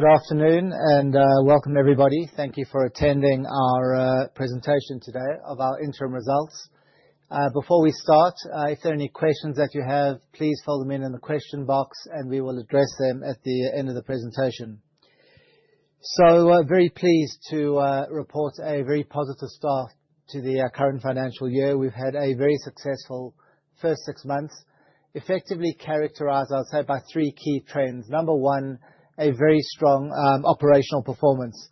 Good afternoon and welcome, everybody. Thank you for attending our presentation today of our interim results. Before we start, if there are any questions that you have, please fill them in in the question box, and we will address them at the end of the presentation. Very pleased to report a very positive start to the current financial year. We've had a very successful first six months, effectively characterized, I would say, by three key trends. Number one, a very strong operational performance.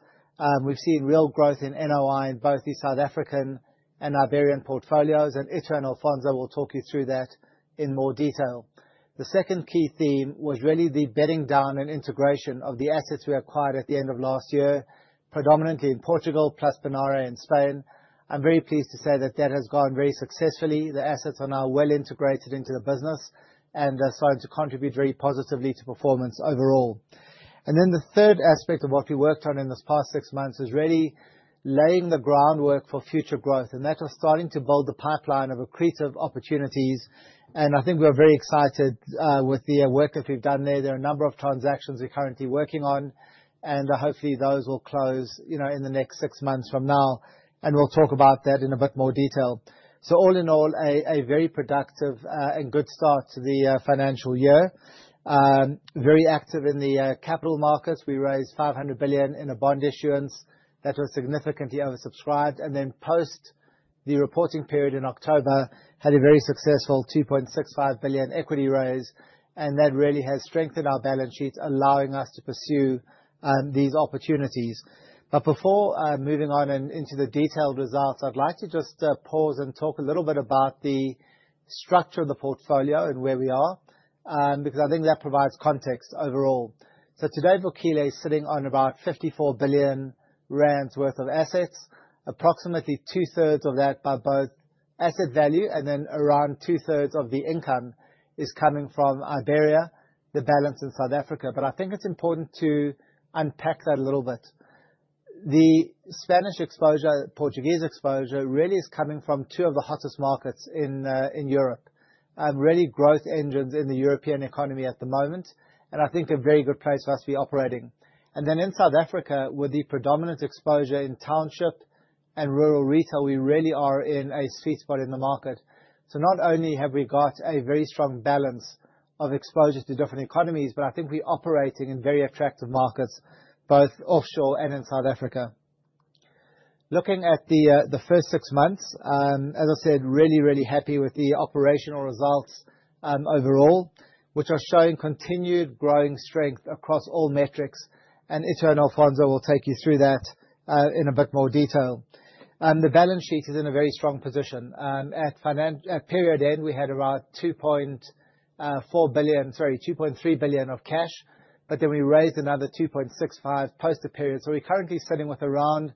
We've seen real growth in NOI in both the South African and Iberian portfolios, and Itumeleng Alfonso will talk you through that in more detail. The second key theme was really the bedding down and integration of the assets we acquired at the end of last year, predominantly in Portugal plus Panare in Spain. I'm very pleased to say that that has gone very successfully. The assets are now well integrated into the business and are starting to contribute very positively to performance overall. The third aspect of what we worked on in this past six months is really laying the groundwork for future growth, and that was starting to build a pipeline of accretive opportunities, and I think we are very excited with the work that we've done there. There are a number of transactions we're currently working on, and hopefully those will close, you know, in the next six months from now, and we'll talk about that in a bit more detail. All in all, a very productive and good start to the financial year. Very active in the capital markets. We raised 500 billion in a bond issuance that was significantly oversubscribed. Post the reporting period in October, had a very successful 2.65 billion equity raise, that really has strengthened our balance sheet, allowing us to pursue these opportunities. Before moving on and into the detailed results, I'd like to just pause and talk a little bit about the structure of the portfolio and where we are, because I think that provides context overall. Today, Vukile is sitting on about 54 billion rand worth of assets, approximately 2/3 of that by both asset value and then around 2/3 of the income is coming from Iberia, the balance in South Africa. I think it's important to unpack that a little bit. The Spanish exposure, Portuguese exposure really is coming from two of the hottest markets in Europe, really growth engines in the European economy at the moment. I think a very good place for us to be operating. In South Africa, with the predominant exposure in township and rural retail, we really are in a sweet spot in the market. Not only have we got a very strong balance of exposure to different economies, but I think we're operating in very attractive markets, both offshore and in South Africa. Looking at the first six months, as I said, really happy with the operational results overall, which are showing continued growing strength across all metrics. Itumeleng Alfonso will take you through that in a bit more detail. The balance sheet is in a very strong position. At period end, we had around 2.4 billion, sorry, 2.3 billion of cash, we raised another 2.65 billion post the period. We're currently sitting with around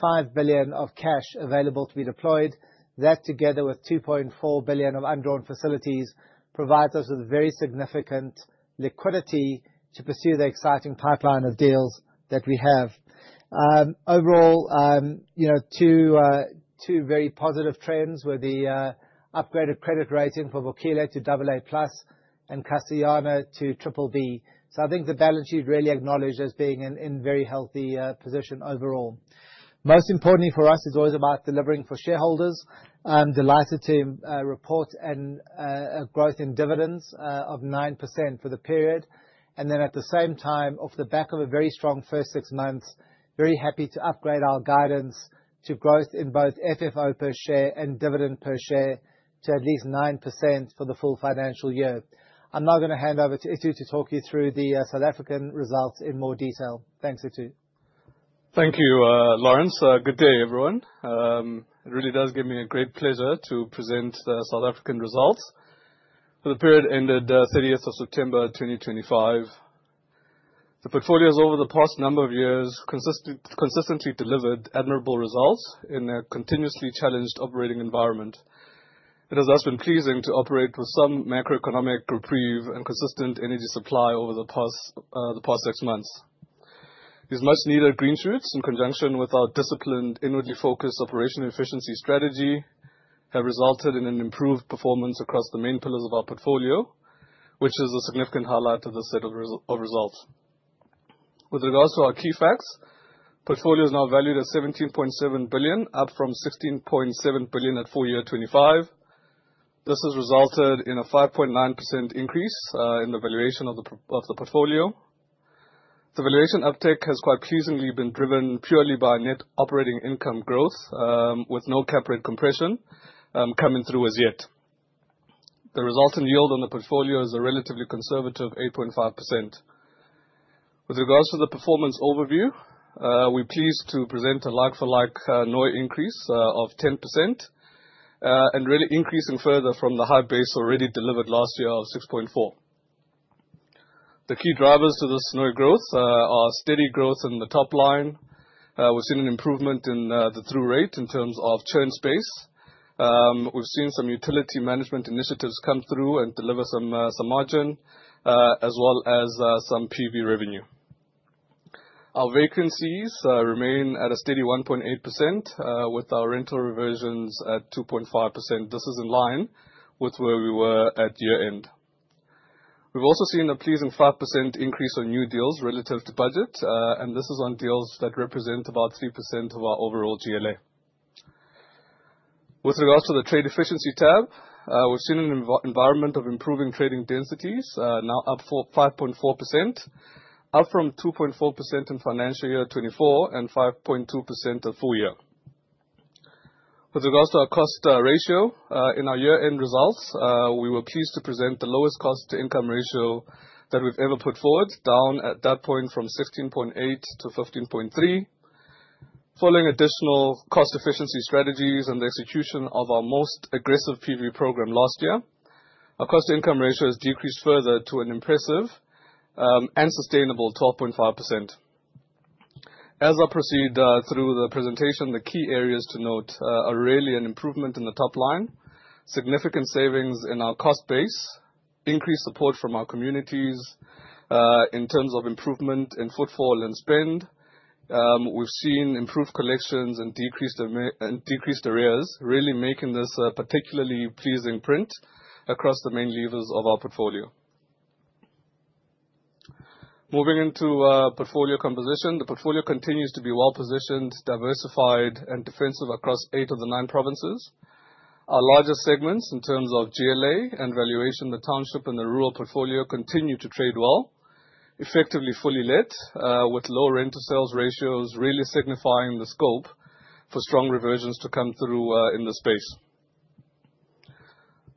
5 billion of cash available to be deployed. That together with 2.4 billion of undrawn facilities, provides us with very significant liquidity to pursue the exciting pipeline of deals that we have. Overall, you know, two very positive trends were the upgraded credit rating for Vukile to AA+ and Castellana to BBB. I think the balance sheet really acknowledged as being in very healthy position overall. Most importantly for us is always about delivering for shareholders. I'm delighted to report a growth in dividends of 9% for the period. At the same time, off the back of a very strong first six months, very happy to upgrade our guidance to growth in both FFO per share and dividend per share to at least 9% for the full financial year. I'm now gonna hand over to Itumeleng to talk you through the South African results in more detail. Thanks, Itumeleng. Thank you, Laurence. Good day, everyone. It really does give me a great pleasure to present the South African results for the period ended, 30th of September, 2025. The portfolios over the past number of years consistently delivered admirable results in a continuously challenged operating environment. It has thus been pleasing to operate with some macroeconomic reprieve and consistent energy supply over the past six months. These much needed green shoots, in conjunction with our disciplined, inwardly focused operational efficiency strategy, have resulted in an improved performance across the main pillars of our portfolio, which is a significant highlight of this set of results. With regards to our key facts, portfolio is now valued at 17.7 billion, up from 16.7 billion at full year 2025. This has resulted in a 5.9% increase in the valuation of the portfolio. The valuation uptake has quite pleasingly been driven purely by net operating income growth, with no cap rate compression coming through as yet. The resulting yield on the portfolio is a relatively conservative 8.5%. With regards to the performance overview, we're pleased to present a like-for-like NOI increase of 10%, and really increasing further from the high base already delivered last year of 6.4%. The key drivers to this NOI growth are steady growth in the top line. We've seen an improvement in the through rate in terms of churn space. We've seen some utility management initiatives come through and deliver some margin, as well as some PV revenue. Our vacancies remain at a steady 1.8%, with our rental reversions at 2.5%. This is in line with where we were at year-end. We've also seen a pleasing 5% increase on new deals relative to budget, and this is on deals that represent about 3% of our overall GLA. With regards to the trade efficiency tab, we've seen an environment of improving trading densities, now up 5.4%, up from 2.4% in financial year 2024 and 5.2% the full year. With regards to our cost ratio, in our year-end results, we were pleased to present the lowest cost-to-income ratio that we've ever put forward, down at that point from 16.8-15.3. Following additional cost efficiency strategies and the execution of our most aggressive PV program last year, our cost-to-income ratio has decreased further to an impressive and sustainable 12.5%. As I proceed through the presentation, the key areas to note are really an improvement in the top line, significant savings in our cost base, increased support from our communities, in terms of improvement in footfall and spend. We've seen improved collections and decreased arrears, really making this a particularly pleasing print across the main levers of our portfolio. Moving into portfolio composition. The portfolio continues to be well positioned, diversified and defensive across eight of the nine provinces. Our largest segments in terms of GLA and valuation, the township and the rural portfolio continue to trade well, effectively fully let, with low rent-to-sales ratios, really signifying the scope for strong reversions to come through in this space.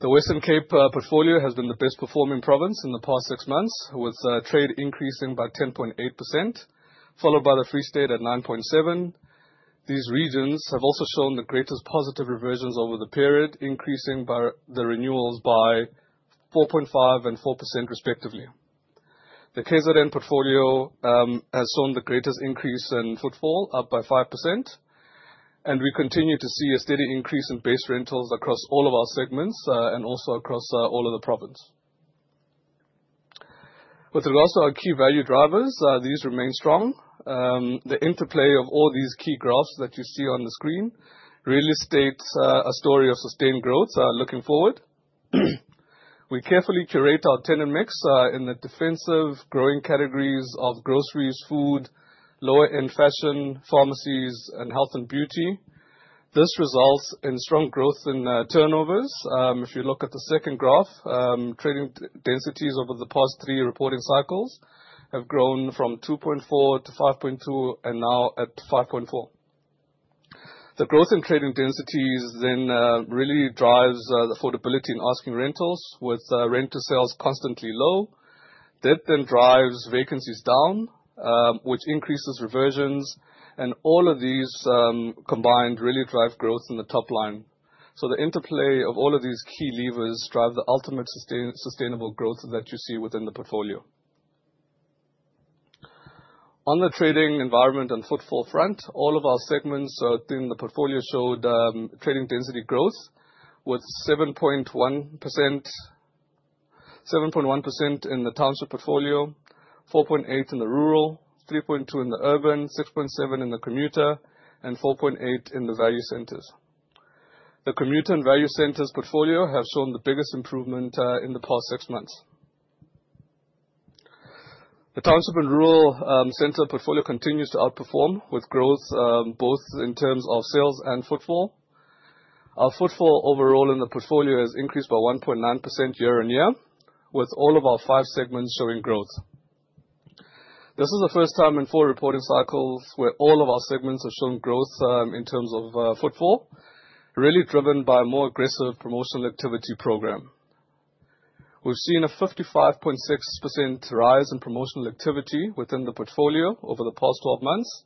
The Western Cape portfolio has been the best performing province in the past six months, with trade increasing by 10.8%, followed by the Free State at 9.7%. These regions have also shown the greatest positive reversions over the period, increasing by the renewals by 4.5% and 4% respectively. The KZN portfolio has shown the greatest increase in footfall, up by 5%, and we continue to see a steady increase in base rentals across all of our segments, and also across all of the province. With regards to our key value drivers, these remain strong. The interplay of all these key graphs that you see on the screen really states a story of sustained growth, looking forward. We carefully curate our tenant mix in the defensive growing categories of groceries, food, lower-end fashion, pharmacies, and health and beauty. This results in strong growth in turnovers. If you look at the second graph, trading densities over the past three reporting cycles have grown from 2.4-5.2 and now at 5.4. The growth in trading densities then really drives the affordability in asking rentals, with rent to sales constantly low. That then drives vacancies down, which increases reversions. All of these combined really drive growth in the top line. The interplay of all of these key levers drive the ultimate sustainable growth that you see within the portfolio. On the trading environment and footfall front, all of our segments within the portfolio showed trading density growth, with 7.1% in the township portfolio, 4.8% in the rural, 3.2% in the urban, 6.7% in the commuter, and 4.8% in the value centers. The commuter and value centers portfolio have shown the biggest improvement in the past six months. The township and rural center portfolio continues to outperform, with growth, both in terms of sales and footfall. Our footfall overall in the portfolio has increased by 1.9% year-on-year, with all of our five segments showing growth. This is the first time in four reporting cycles where all of our segments have shown growth, in terms of footfall, really driven by a more aggressive promotional activity program. We've seen a 55.6% rise in promotional activity within the portfolio over the past 12 months.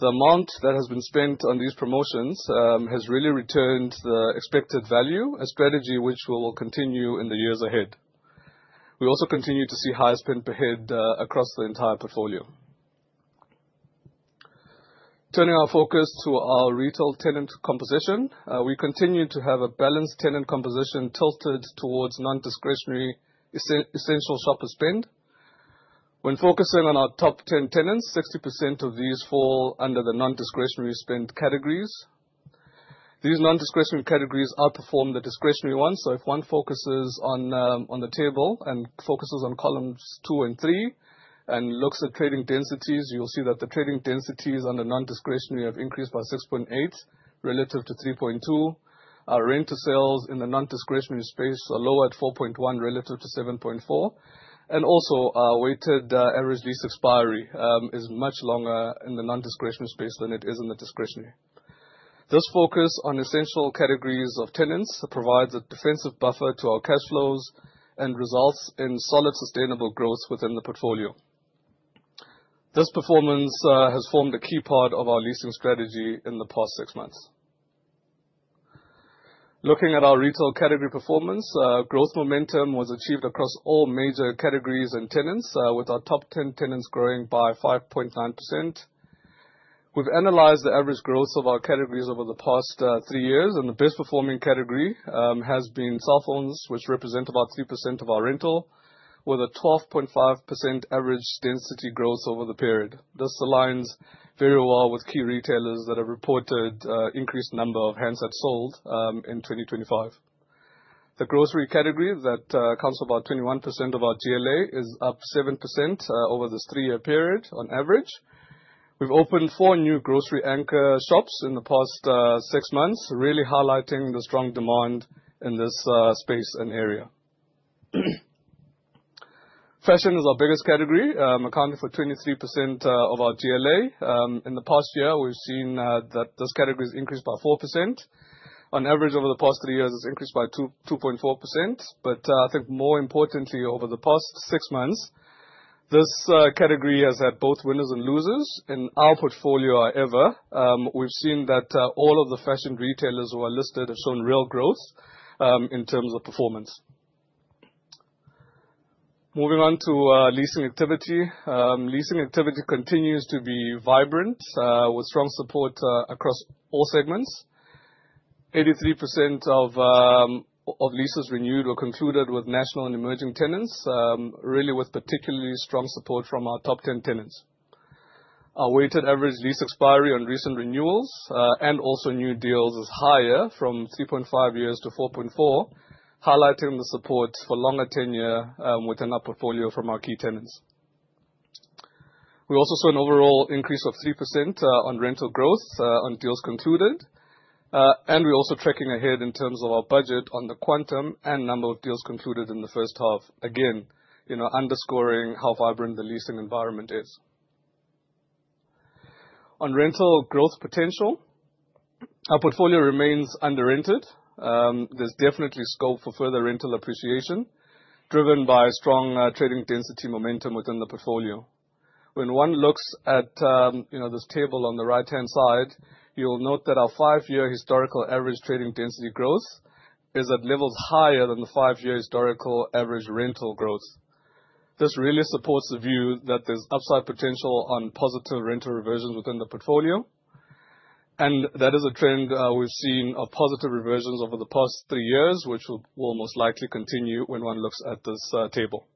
The amount that has been spent on these promotions has really returned the expected value, a strategy which we will continue in the years ahead. We also continue to see higher spend per head across the entire portfolio. Turning our focus to our retail tenant composition, we continue to have a balanced tenant composition tilted towards non-discretionary essential shopper spend. When focusing on our top 10 tenants, 60% of these fall under the non-discretionary spend categories. These non-discretionary categories outperform the discretionary ones. If one focuses on the table and focuses on columns two and three and looks at trading densities, you'll see that the trading densities on the non-discretionary have increased by 6.8% relative to 3.2%. Our rent to sales in the non-discretionary space are lower at 4.1% relative to 7.4%. Also, our weighted average lease expiry is much longer in the non-discretionary space than it is in the discretionary. This focus on essential categories of tenants provides a defensive buffer to our cash flows and results in solid, sustainable growth within the portfolio. This performance has formed a key part of our leasing strategy in the past six months. Looking at our retail category performance, growth momentum was achieved across all major categories and tenants, with our top 10 tenants growing by 5.9%. We've analyzed the average growth of our categories over the past three years, and the best performing category has been cell phones, which represent about 3% of our rental with a 12.5% average density growth over the period. This aligns very well with key retailers that have reported increased number of handsets sold in 2025. The grocery category that accounts for about 21% of our GLA is up 7% over this three-year period on average. We've opened four new grocery anchor shops in the past six months, really highlighting the strong demand in this space and area. Fashion is our biggest category, accounting for 23% of our GLA. In the past year, we've seen that this category has increased by 4%. On average over the past three years, it's increased by 2.4%. I think more importantly, over the past six months, this category has had both winners and losers. In our portfolio however, we've seen that all of the fashion retailers who are listed have shown real growth in terms of performance. Moving on to leasing activity. Leasing activity continues to be vibrant with strong support across all segments. 83% of leases renewed or concluded with national and emerging tenants, really with particularly strong support from our top 10 tenants. Our weighted average lease expiry on recent renewals and also new deals is higher from 3.5 years-4.4, highlighting the support for longer tenure within our portfolio from our key tenants. We also saw an overall increase of 3% on rental growth on deals concluded. We're also tracking ahead in terms of our budget on the quantum and number of deals concluded in the first half. Again, you know, underscoring how vibrant the leasing environment is. On rental growth potential, our portfolio remains under-rented. There's definitely scope for further rental appreciation driven by strong trading density momentum within the portfolio. When one looks at, you know, this table on the right-hand side, you'll note that our five-year historical average trading density growth is at levels higher than the five-year historical average rental growth. This really supports the view that there's upside potential on positive rental reversions within the portfolio, and that is a trend we've seen of positive reversions over the past three years, which will most likely continue when one looks at this table.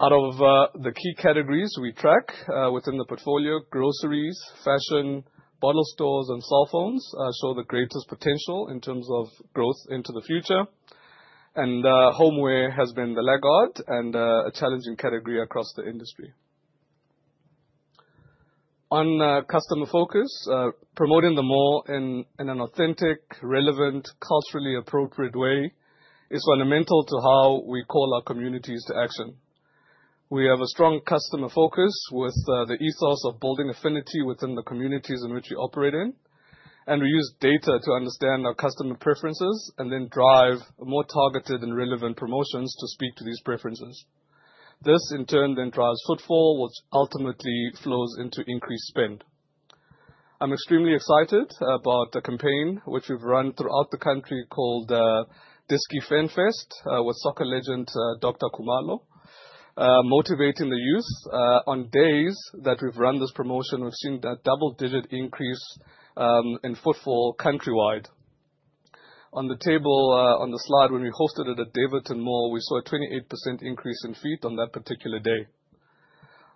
Out of the key categories we track within the portfolio, groceries, fashion, bottle stores, and cell phones show the greatest potential in terms of growth into the future. Homeware has been the laggard and a challenging category across the industry. On customer focus, promoting the mall in an authentic, relevant, culturally appropriate way is fundamental to how we call our communities to action. We have a strong customer focus with the ethos of building affinity within the communities in which we operate in. We use data to understand our customer preferences and then drive more targeted and relevant promotions to speak to these preferences. This, in turn, then drives footfall, which ultimately flows into increased spend. I'm extremely excited about the campaign which we've run throughout the country called DISKI FANFEST, with soccer legend Dr. Khumalo, motivating the youth. On days that we've run this promotion, we've seen a double-digit increase in footfall countrywide. On the table, on the slide, when we hosted it at Devon Mall, we saw a 28% increase in feet on that particular day.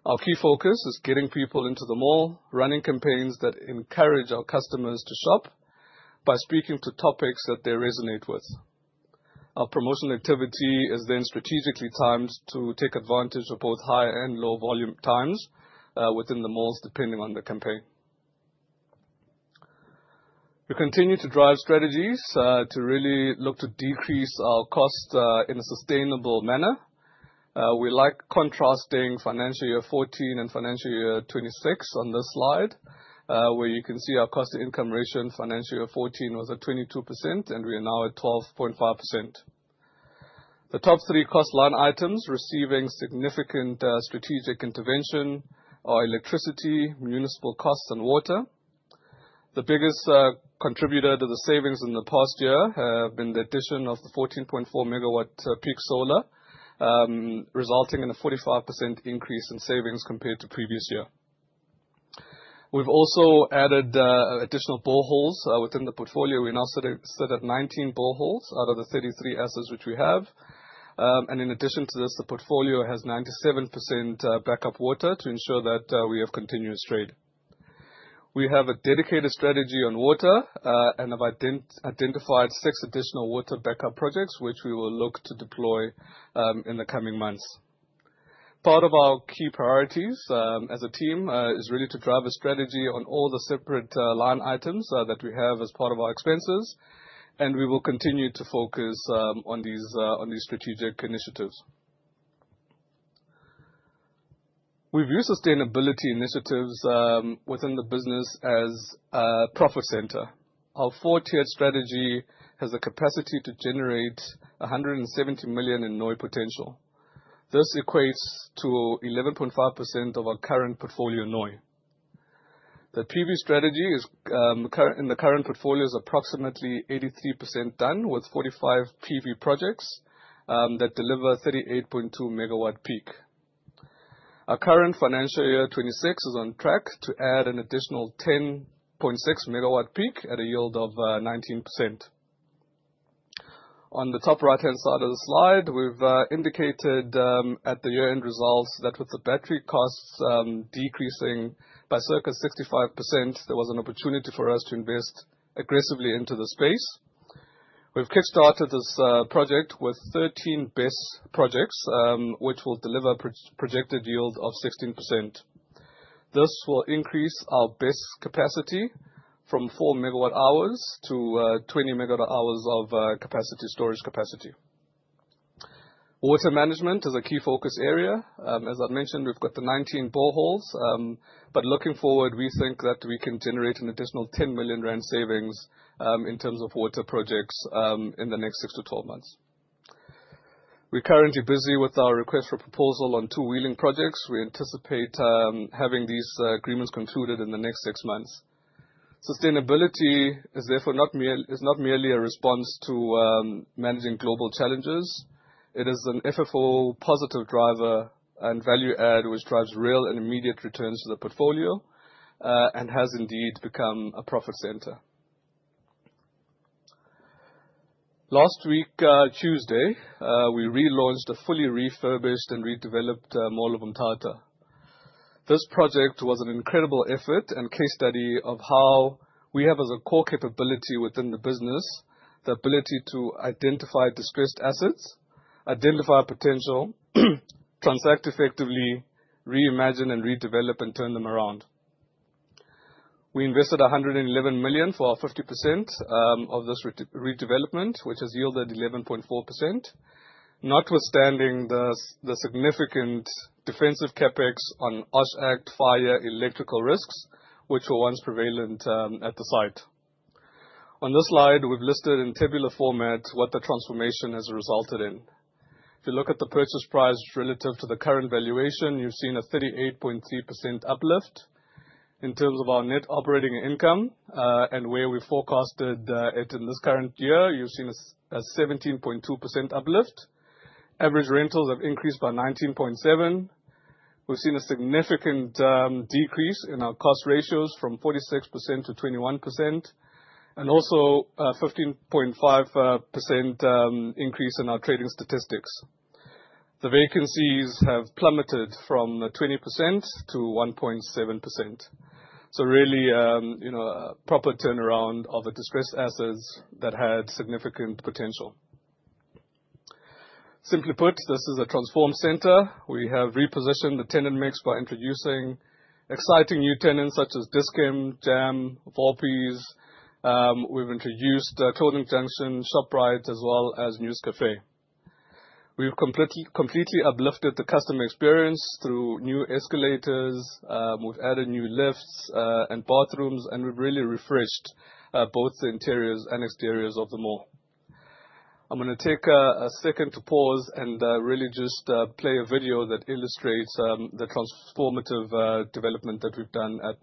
Our key focus is getting people into the mall, running campaigns that encourage our customers to shop by speaking to topics that they resonate with. Our promotional activity is then strategically timed to take advantage of both high and low volume times within the malls, depending on the campaign. We continue to drive strategies to really look to decrease our cost in a sustainable manner. We like contrasting financial year 2014 and financial year 2026 on this slide, where you can see our cost-to-income ratio in financial year 2014 was at 22%, and we are now at 12.5%. The top three cost line items receiving significant strategic intervention are electricity, municipal costs, and water. The biggest contributor to the savings in the past year have been the addition of the 14.4 megawatt peak solar, resulting in a 45% increase in savings compared to previous year. We've also added additional boreholes within the portfolio. We now sit at 19 boreholes out of the 33 assets which we have. In addition to this, the portfolio has 97% backup water to ensure that we have continuous trade. We have a dedicated strategy on water, and have identified six additional water backup projects, which we will look to deploy in the coming months. Part of our key priorities, as a team, is really to drive a strategy on all the separate, line items, that we have as part of our expenses, we will continue to focus, on these, on these strategic initiatives. We view sustainability initiatives, within the business as a profit center. Our four-tiered strategy has the capacity to generate 170 million in NOI potential. This equates to 11.5% of our current portfolio NOI. The PV strategy is, in the current portfolio is approximately 83% done with 45 PV projects, that deliver 38.2 MW peak. Our current financial year, 2026, is on track to add an additional 10.6 MW peak at a yield of, 19%. On the top right-hand side of the slide, we've indicated at the year-end results that with the battery costs decreasing by circa 65%, there was an opportunity for us to invest aggressively into the space. We've kickstarted this project with 13 BESS projects, which will deliver projected yield of 16%. This will increase our BESS capacity from 4 MWh to 20 MWh of capacity storage capacity. Water management is a key focus area. As I've mentioned, we've got the 19 boreholes. Looking forward, we think that we can generate an additional 10 million rand savings in terms of water projects in the next six-12 months. We're currently busy with our request for proposal on two wheeling projects. We anticipate having these agreements concluded in the next six months. Sustainability is therefore not merely a response to managing global challenges, it is an FFO positive driver and value add which drives real and immediate returns to the portfolio and has indeed become a profit center. Last week, Tuesday, we relaunched a fully refurbished and redeveloped Mall of Mthatha. This project was an incredible effort and case study of how we have, as a core capability within the business, the ability to identify distressed assets, identify potential, transact effectively, reimagine and redevelop and turn them around. We invested 111 million for our 50% of this redevelopment, which has yielded 11.4%, notwithstanding the significant defensive CapEx on OHS Act fire electrical risks, which were once prevalent at the site. On this slide, we've listed in tabular format what the transformation has resulted in. If you look at the purchase price relative to the current valuation, you've seen a 38.3% uplift. In terms of our net operating income, and where we forecasted it in this current year, you've seen a 17.2% uplift. Average rentals have increased by 19.7%. We've seen a significant decrease in our cost ratios from 46%-21% and also a 15.5% increase in our trading statistics. The vacancies have plummeted from 20% -1.7%. Really, you know, a proper turnaround of the distressed assets that had significant potential. Simply put, this is a transformed center. We have repositioned the tenant mix by introducing exciting new tenants such as Dis-Chem, JAM Clothing, Volpes. We've introduced Clothing Junction, Shoprite, as well as News Cafe. We've completely uplifted the customer experience through new escalators. We've added new lifts and bathrooms, and we've really refreshed both the interiors and exteriors of the mall. I'm gonna take a second to pause and really just play a video that illustrates the transformative development that we've done at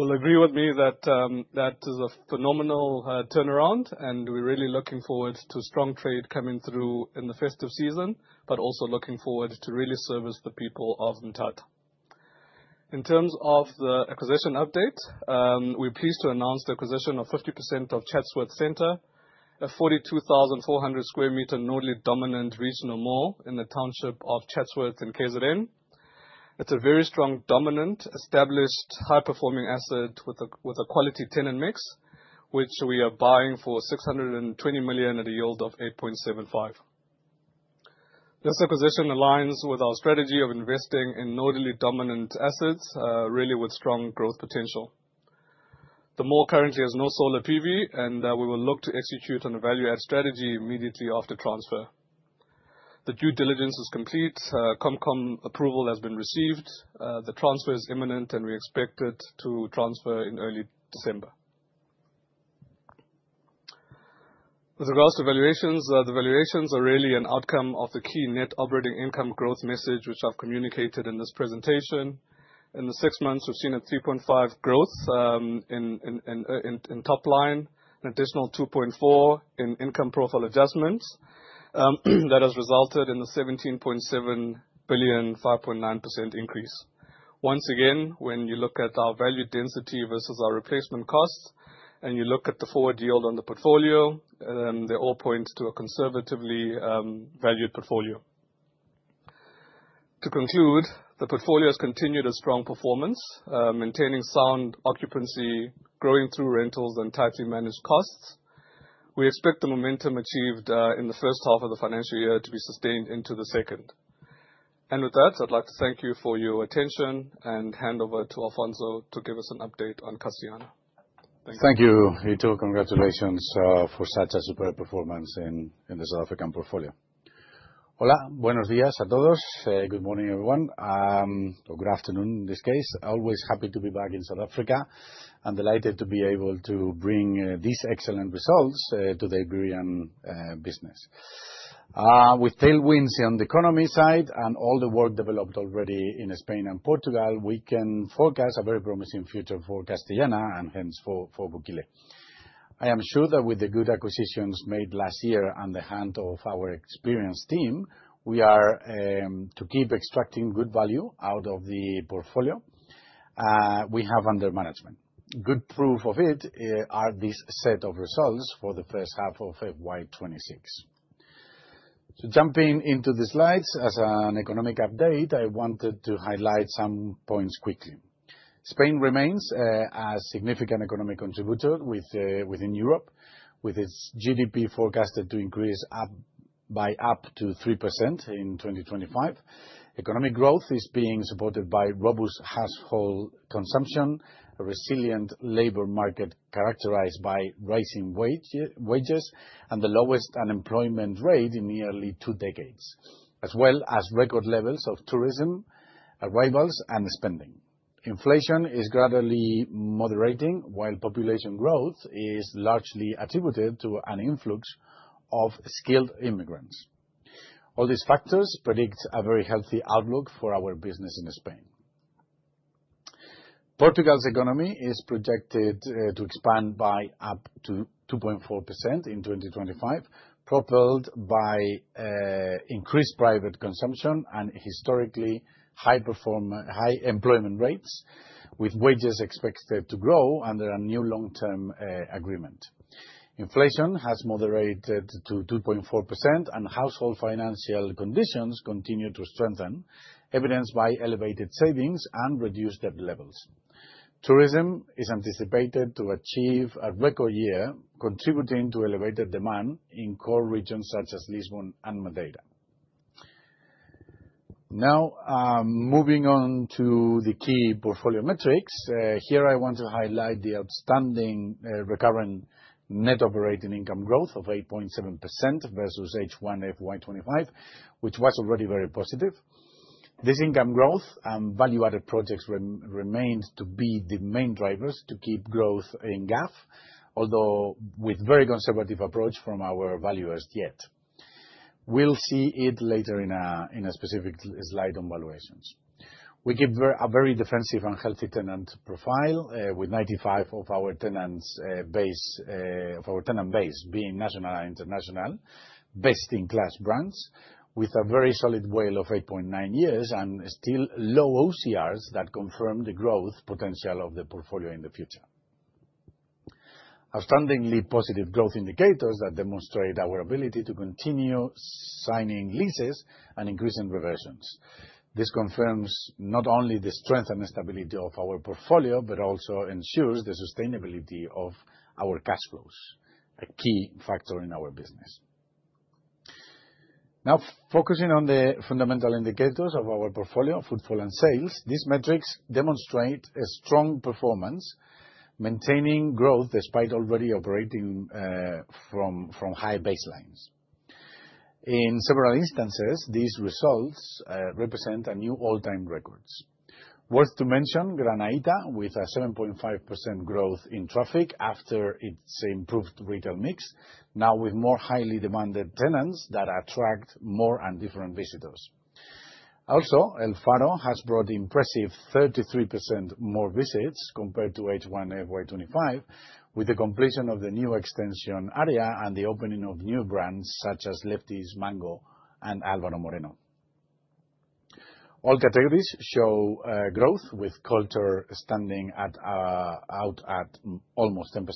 Mall of Mthatha. You will agree with me that that is a phenomenal turnaround, and we're really looking forward to strong trade coming through in the festive season, but also looking forward to really service the people of Mthatha. In terms of the acquisition update, we're pleased to announce the acquisition of 50% of Chatsworth Centre, a 42,400 square meter northerly dominant regional mall in the township of Chatsworth in KwaZulu-Natal. It's a very strong, dominant, established, high-performing asset with a, with a quality tenant mix, which we are buying for 620 million at a yield of 8.75%. This acquisition aligns with our strategy of investing in northerly dominant assets, really with strong growth potential. The mall currently has no solar PV, and we will look to execute on a value add strategy immediately after transfer. The due diligence is complete. CompCom approval has been received. The transfer is imminent, and we expect it to transfer in early December. With regards to valuations, the valuations are really an outcome of the key net operating income growth message, which I've communicated in this presentation. In the six months, we've seen a 3.5% growth in top line, an additional 2.4% in income profile adjustments, that has resulted in the 17.7 billion, 5.9% increase. Once again, when you look at our value density versus our replacement costs, and you look at the forward yield on the portfolio, they all point to a conservatively valued portfolio. To conclude, the portfolio has continued a strong performance, maintaining sound occupancy, growing through rentals and tightly managed costs. We expect the momentum achieved in the first half of the financial year to be sustained into the second. With that, I'd like to thank you for your attention and hand over to Alfonso to give us an update on Castellana. Thank you. Thank you, Ito. Congratulations for such a superb performance in the South African portfolio. Hola. Buenos días a todos. Good morning, everyone, or good afternoon, in this case. Always happy to be back in South Africa, and delighted to be able to bring these excellent results to the Iberian business. With tailwinds on the economy side and all the work developed already in Spain and Portugal, we can forecast a very promising future for Castellana and hence for Vukile. I am sure that with the good acquisitions made last year on the hand of our experienced team, we are to keep extracting good value out of the portfolio we have under management. Good proof of it are this set of results for the first half of FY 2026. Jumping into the slides, as an economic update, I wanted to highlight some points quickly. Spain remains a significant economic contributor within Europe, with its GDP forecasted to increase by up to 3% in 2025. Economic growth is being supported by robust household consumption, a resilient labor market characterized by rising wages, and the lowest unemployment rate in nearly two decades, as well as record levels of tourism arrivals and spending. Inflation is gradually moderating, while population growth is largely attributed to an influx of skilled immigrants. All these factors predict a very healthy outlook for our business in Spain. Portugal's economy is projected to expand by up to 2.4% in 2025, propelled by increased private consumption and historically high employment rates, with wages expected to grow under a new long-term agreement. Inflation has moderated to 2.4%, and household financial conditions continue to strengthen, evidenced by elevated savings and reduced debt levels. Tourism is anticipated to achieve a record year, contributing to elevated demand in core regions such as Lisbon and Madeira. Now, moving on to the key portfolio metrics. Here I want to highlight the outstanding recurrent net operating income growth of 8.7% versus H1 FY25, which was already very positive. This income growth and value-added projects remains to be the main drivers to keep growth in GAF, although with very conservative approach from our valuers yet. We'll see it later in a specific slide on valuations. We give a very defensive and healthy tenant profile, with 95 of our tenant base being national and international best-in-class brands with a very solid WALE of 8.9 years and still low OCRs that confirm the growth potential of the portfolio in the future. Outstandingly positive growth indicators that demonstrate our ability to continue signing leases and increasing reversions. This confirms not only the strength and stability of our portfolio, but also ensures the sustainability of our cash flows, a key factor in our business. Now, focusing on the fundamental indicators of our portfolio, footfall and sales. These metrics demonstrate a strong performance, maintaining growth despite already operating from high baselines. In several instances, these results represent a new all-time records. Worth to mention Granaíta with a 7.5% growth in traffic after its improved retail mix, now with more highly demanded tenants that attract more and different visitors. El Faro has brought impressive 33% more visits compared to H1 FY 2025 with the completion of the new extension area and the opening of new brands such as Lefties, Mango, and Alvaro Moreno. All categories show growth with culture standing out at almost 10%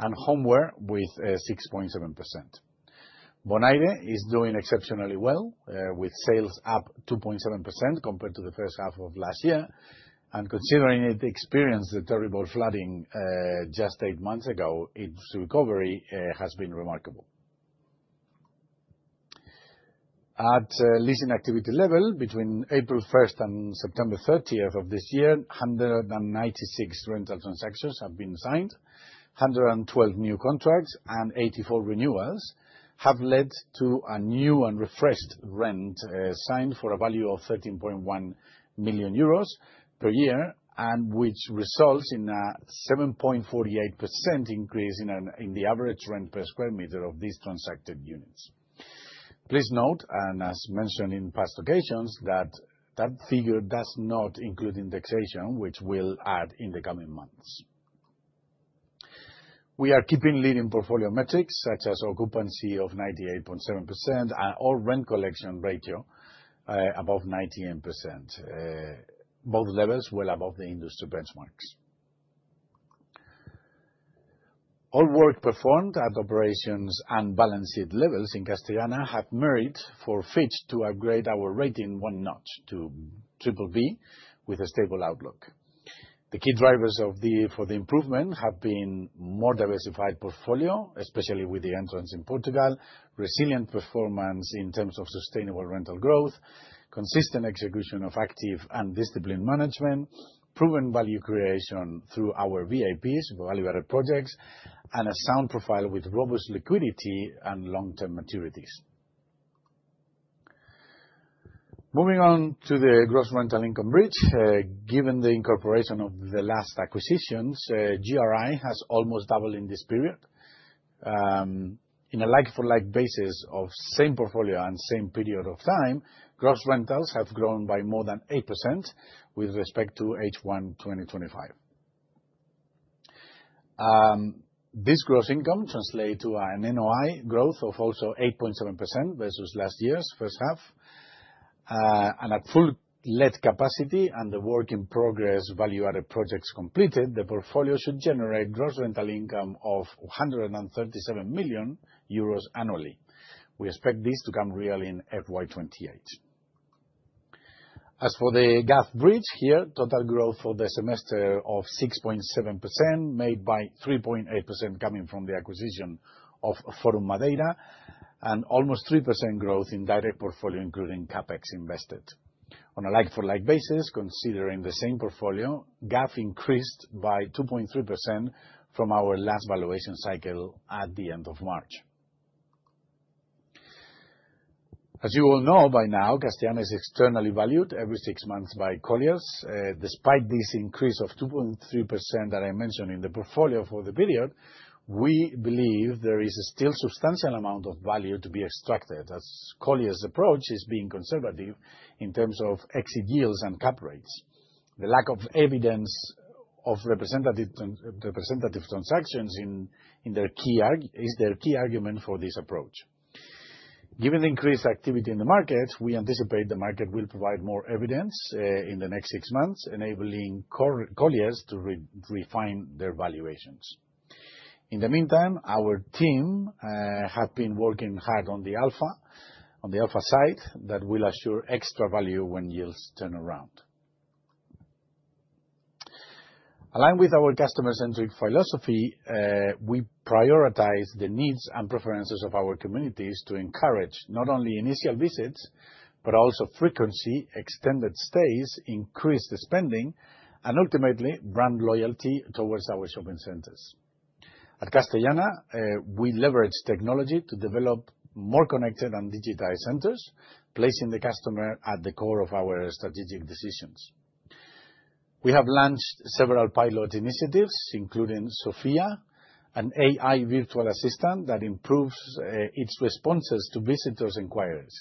and homeware with 6.7%. Bonaire is doing exceptionally well with sales up 2.7% compared to the first half of last year. Considering it experienced the terrible flooding just eight months ago, its recovery has been remarkable. At leasing activity level, between April 1st and September 30th of this year, 196 rental transactions have been signed. 112 new contracts and 84 renewals have led to a new and refreshed rent signed for a value of 13.1 million euros per year. Which results in a 7.48% increase in the average rent per square meter of these transacted units. Please note, and as mentioned in past occasions, that that figure does not include indexation, which we'll add in the coming months. We are keeping leading portfolio metrics, such as occupancy of 98.7% and all rent collection ratio above 98%. Both levels well above the industry benchmarks. All work performed at operations and balance sheet levels in Castellana have merited for Fitch to upgrade our rating one notch to BBB with a stable outlook. The key drivers for the improvement have been more diversified portfolio, especially with the entrance in Portugal, resilient performance in terms of sustainable rental growth, consistent execution of active and disciplined management, proven value creation through our VAPs, value-added projects, and a sound profile with robust liquidity and long-term maturities. Moving on to the gross rental income bridge. Given the incorporation of the last acquisitions, GRI has almost doubled in this period. In a like-for-like basis of same portfolio and same period of time, gross rentals have grown by more than 8% with respect to H1 2025. This gross income translate to an NOI growth of also 8.7% versus last year's first half. At full let capacity and the work in progress Value-Added Projects completed, the portfolio should generate gross rental income of 137 million euros annually. We expect this to come real in FY 2028. As for the GAAP bridge, here total growth for the semester of 6.7% made by 3.8% coming from the acquisition of Forum Madeira and almost 3% growth in direct portfolio, including CapEx invested. On a like-for-like basis, considering the same portfolio, GAAP increased by 2.3% from our last valuation cycle at the end of March. As you all know by now, Castellana is externally valued every six months by Colliers. Despite this increase of 2.3% that I mentioned in the portfolio for the period, we believe there is still substantial amount of value to be extracted as Colliers' approach is being conservative in terms of exit deals and cap rates. The lack of evidence of representative transactions in their key argument for this approach. Given the increased activity in the market, we anticipate the market will provide more evidence in the next six months, enabling Colliers to refine their valuations. In the meantime, our team have been working hard on the alpha side that will assure extra value when yields turn around. Aligned with our customer-centric philosophy, we prioritize the needs and preferences of our communities to encourage not only initial visits, but also frequency, extended stays, increased spending, and ultimately brand loyalty towards our shopping centers. At Castellana, we leverage technology to develop more connected and digitized centers, placing the customer at the core of our strategic decisions. We have launched several pilot initiatives, including Sophia, an AI virtual assistant that improves its responses to visitors' inquiries.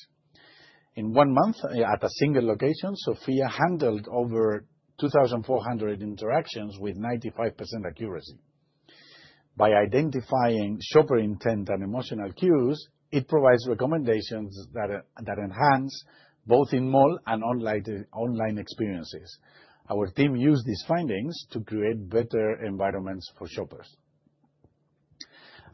In one month, at a single location, Sophia handled over 2,400 interactions with 95% accuracy. By identifying shopper intent and emotional cues, it provides recommendations that enhance both in-mall and online experiences. Our team use these findings to create better environments for shoppers.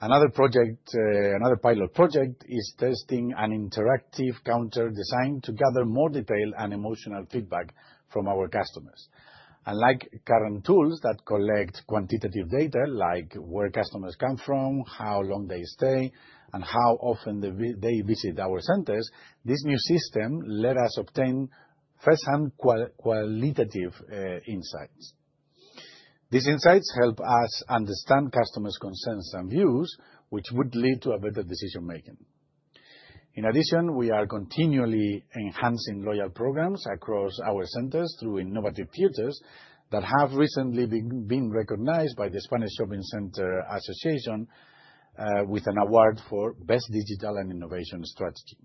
Another project, another pilot project is testing an interactive counter design to gather more detailed and emotional feedback from our customers. Unlike current tools that collect quantitative data, like where customers come from, how long they stay, and how often they visit our centers, this new system let us obtain firsthand qualitative insights. These insights help us understand customers' concerns and views, which would lead to a better decision-making. We are continually enhancing loyal programs across our centers through innovative theaters that have recently been recognized by the Spanish Shopping Center Association with an award for best digital and innovation strategy.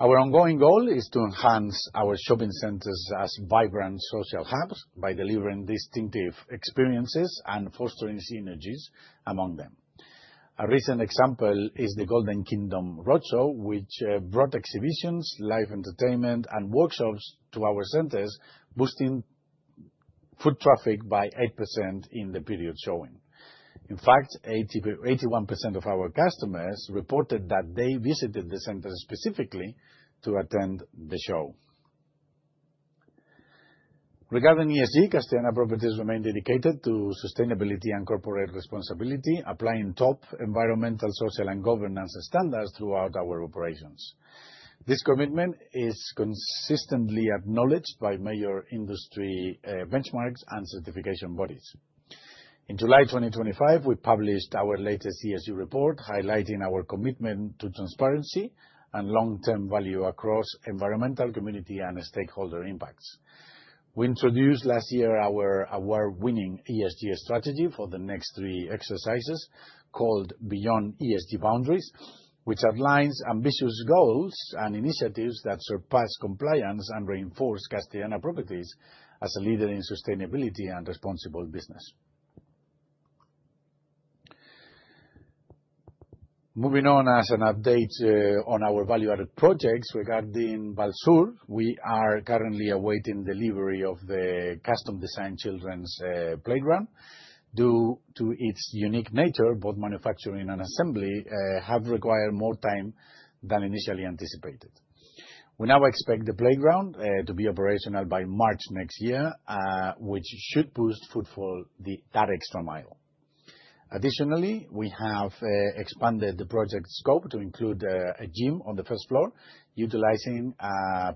Our ongoing goal is to enhance our shopping centers as vibrant social hubs by delivering distinctive experiences and fostering synergies among them. A recent example is the Golden Kingdom Roadshow, which brought exhibitions, live entertainment, and workshops to our centers, boosting foot traffic by 8% in the period showing. In fact, 81% of our customers reported that they visited the center specifically to attend the show. Regarding ESG, Castellana Properties remain dedicated to sustainability and corporate responsibility, applying top environmental, social, and governance standards throughout our operations. This commitment is consistently acknowledged by major industry benchmarks and certification bodies. In July 2025, we published our latest ESG report, highlighting our commitment to transparency and long-term value across environmental, community, and stakeholder impacts. We introduced last year our award-winning ESG strategy for the next three exercises called Beyond ESG Boundaries, which outlines ambitious goals and initiatives that surpass compliance and reinforce Castellana Properties as a leader in sustainability and responsible business. Moving on as an update on our value-added projects. Regarding Vallsur, we are currently awaiting delivery of the custom design children's playground. Due to its unique nature, both manufacturing and assembly have required more time than initially anticipated. We now expect the playground to be operational by March next year, which should boost footfall that extra mile. Additionally, we have expanded the project scope to include a gym on the first floor utilizing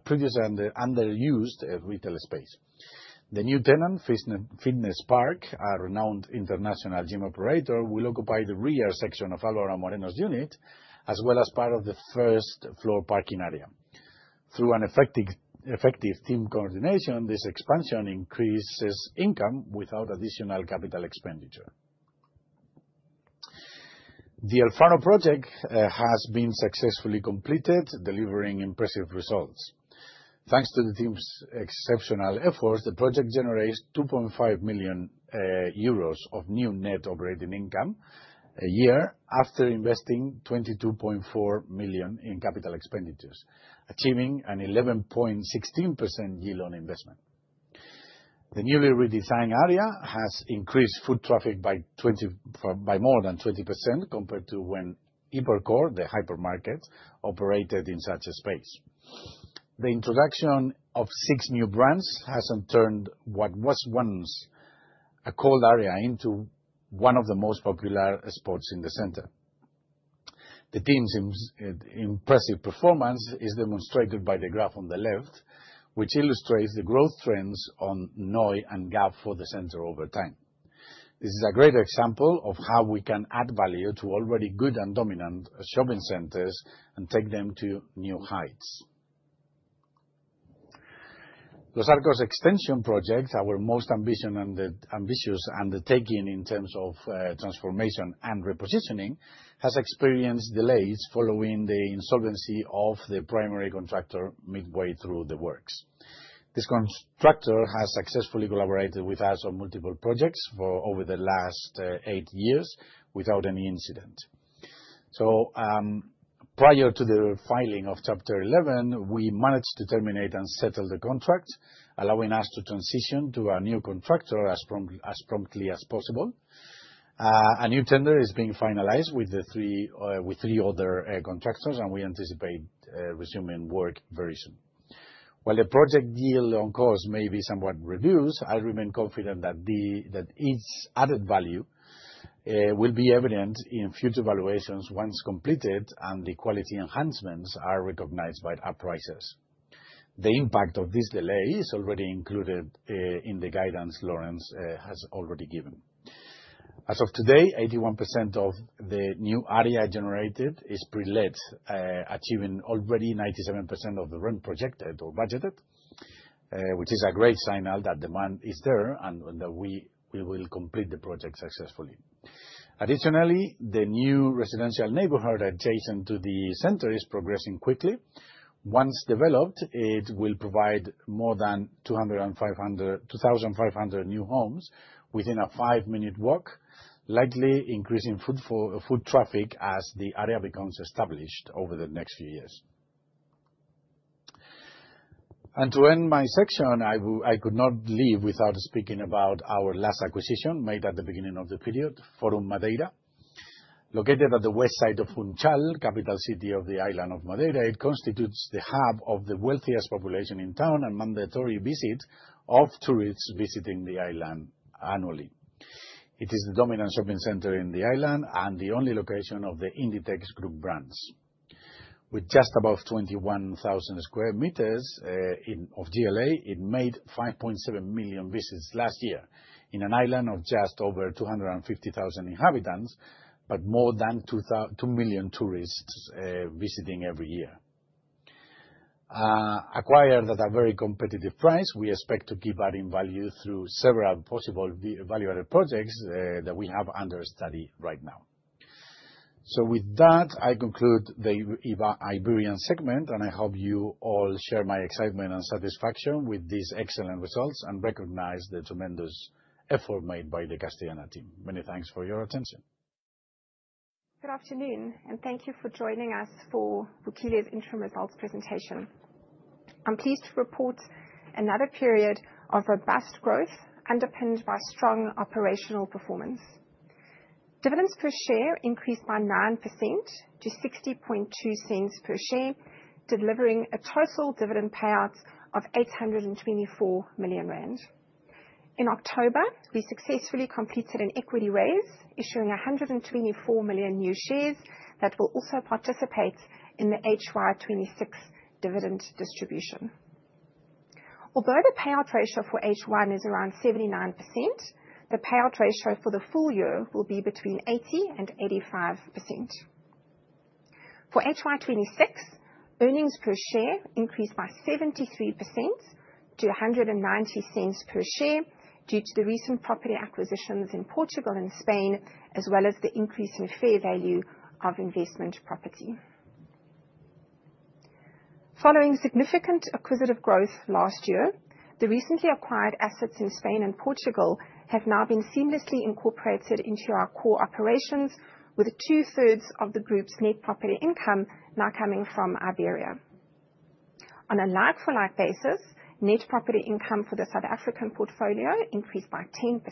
previous underused retail space. The new tenant, Fitness Park, a renowned international gym operator, will occupy the rear section of Alvaro Moreno's unit, as well as part of the first-floor parking area. Through an effective team coordination, this expansion increases income without additional capital expenditure. The Alfafar project has been successfully completed, delivering impressive results. Thanks to the team's exceptional efforts, the project generates 2.5 million euros of new net operating income a year after investing 22.4 million in CapEx, achieving an 11.16% year-on investment. The newly redesigned area has increased foot traffic by more than 20% compared to when Hipercor, the hypermarket, operated in such a space. The introduction of six new brands has turned what was once a cold area into one of the most popular spots in the center. The team's impressive performance is demonstrated by the graph on the left, which illustrates the growth trends on NOI and GAAP for the center over time. This is a great example of how we can add value to already good and dominant shopping centers and take them to new heights. Los Arcos extension projects, our most ambitious undertaking in terms of transformation and repositioning, has experienced delays following the insolvency of the primary contractor midway through the works. This constructor has successfully collaborated with us on multiple projects for over the last eight years without any incident. Prior to the filing of Chapter 11, we managed to terminate and settle the contract, allowing us to transition to a new contractor as promptly as possible. A new tender is being finalized with the three, with three other contractors, we anticipate resuming work very soon. While the project deal on cost may be somewhat reduced, I remain confident that its added value will be evident in future valuations once completed and the quality enhancements are recognized by our prices. The impact of this delay is already included in the guidance Laurence has already given. As of today, 81% of the new area generated is pre-let, achieving already 97% of the rent projected or budgeted, which is a great signal that demand is there and that we will complete the project successfully. Additionally, the new residential neighborhood adjacent to the center is progressing quickly. Once developed, it will provide more than 2,500 new homes within a five-minute walk, likely increasing foot traffic as the area becomes established over the next few years. To end my section, I could not leave without speaking about our last acquisition made at the beginning of the period, Forum Madeira. Located at the west side of Funchal, capital city of the island of Madeira, it constitutes the hub of the wealthiest population in town and mandatory visit of tourists visiting the island annually. It is the dominant shopping center in the island and the only location of the Inditex group brands. With just above 21,000 square meters of GLA, it made 5.7 million visits last year in an island of just over 250,000 inhabitants, but more than 2 million tourists visiting every year. Acquired at a very competitive price, we expect to keep adding value through several possible Value-Added Projects that we have under study right now. With that, I conclude the Iberian segment, and I hope you all share my excitement and satisfaction with these excellent results and recognize the tremendous effort made by the Castellana team. Many thanks for your attention. Good afternoon. Thank you for joining us for Vukile's interim results presentation. I'm pleased to report another period of robust growth underpinned by strong operational performance. Dividends per share increased by 9% to 0.602 per share, delivering a total dividend payout of 824 million rand. In October, we successfully completed an equity raise, issuing 124 million new shares that will also participate in the FY 2026 dividend distribution. The payout ratio for H1 is around 79%, the payout ratio for the full year will be between 80% and 85%. For FY 2026, earnings per share increased by 73% to 1.90 per share due to the recent property acquisitions in Portugal and Spain, as well as the increase in fair value of investment property. Following significant acquisitive growth last year, the recently acquired assets in Spain and Portugal have now been seamlessly incorporated into our core operations with 2/3 of the group's net property income now coming from Iberia. On a like for like basis, net property income for the South African portfolio increased by 10%,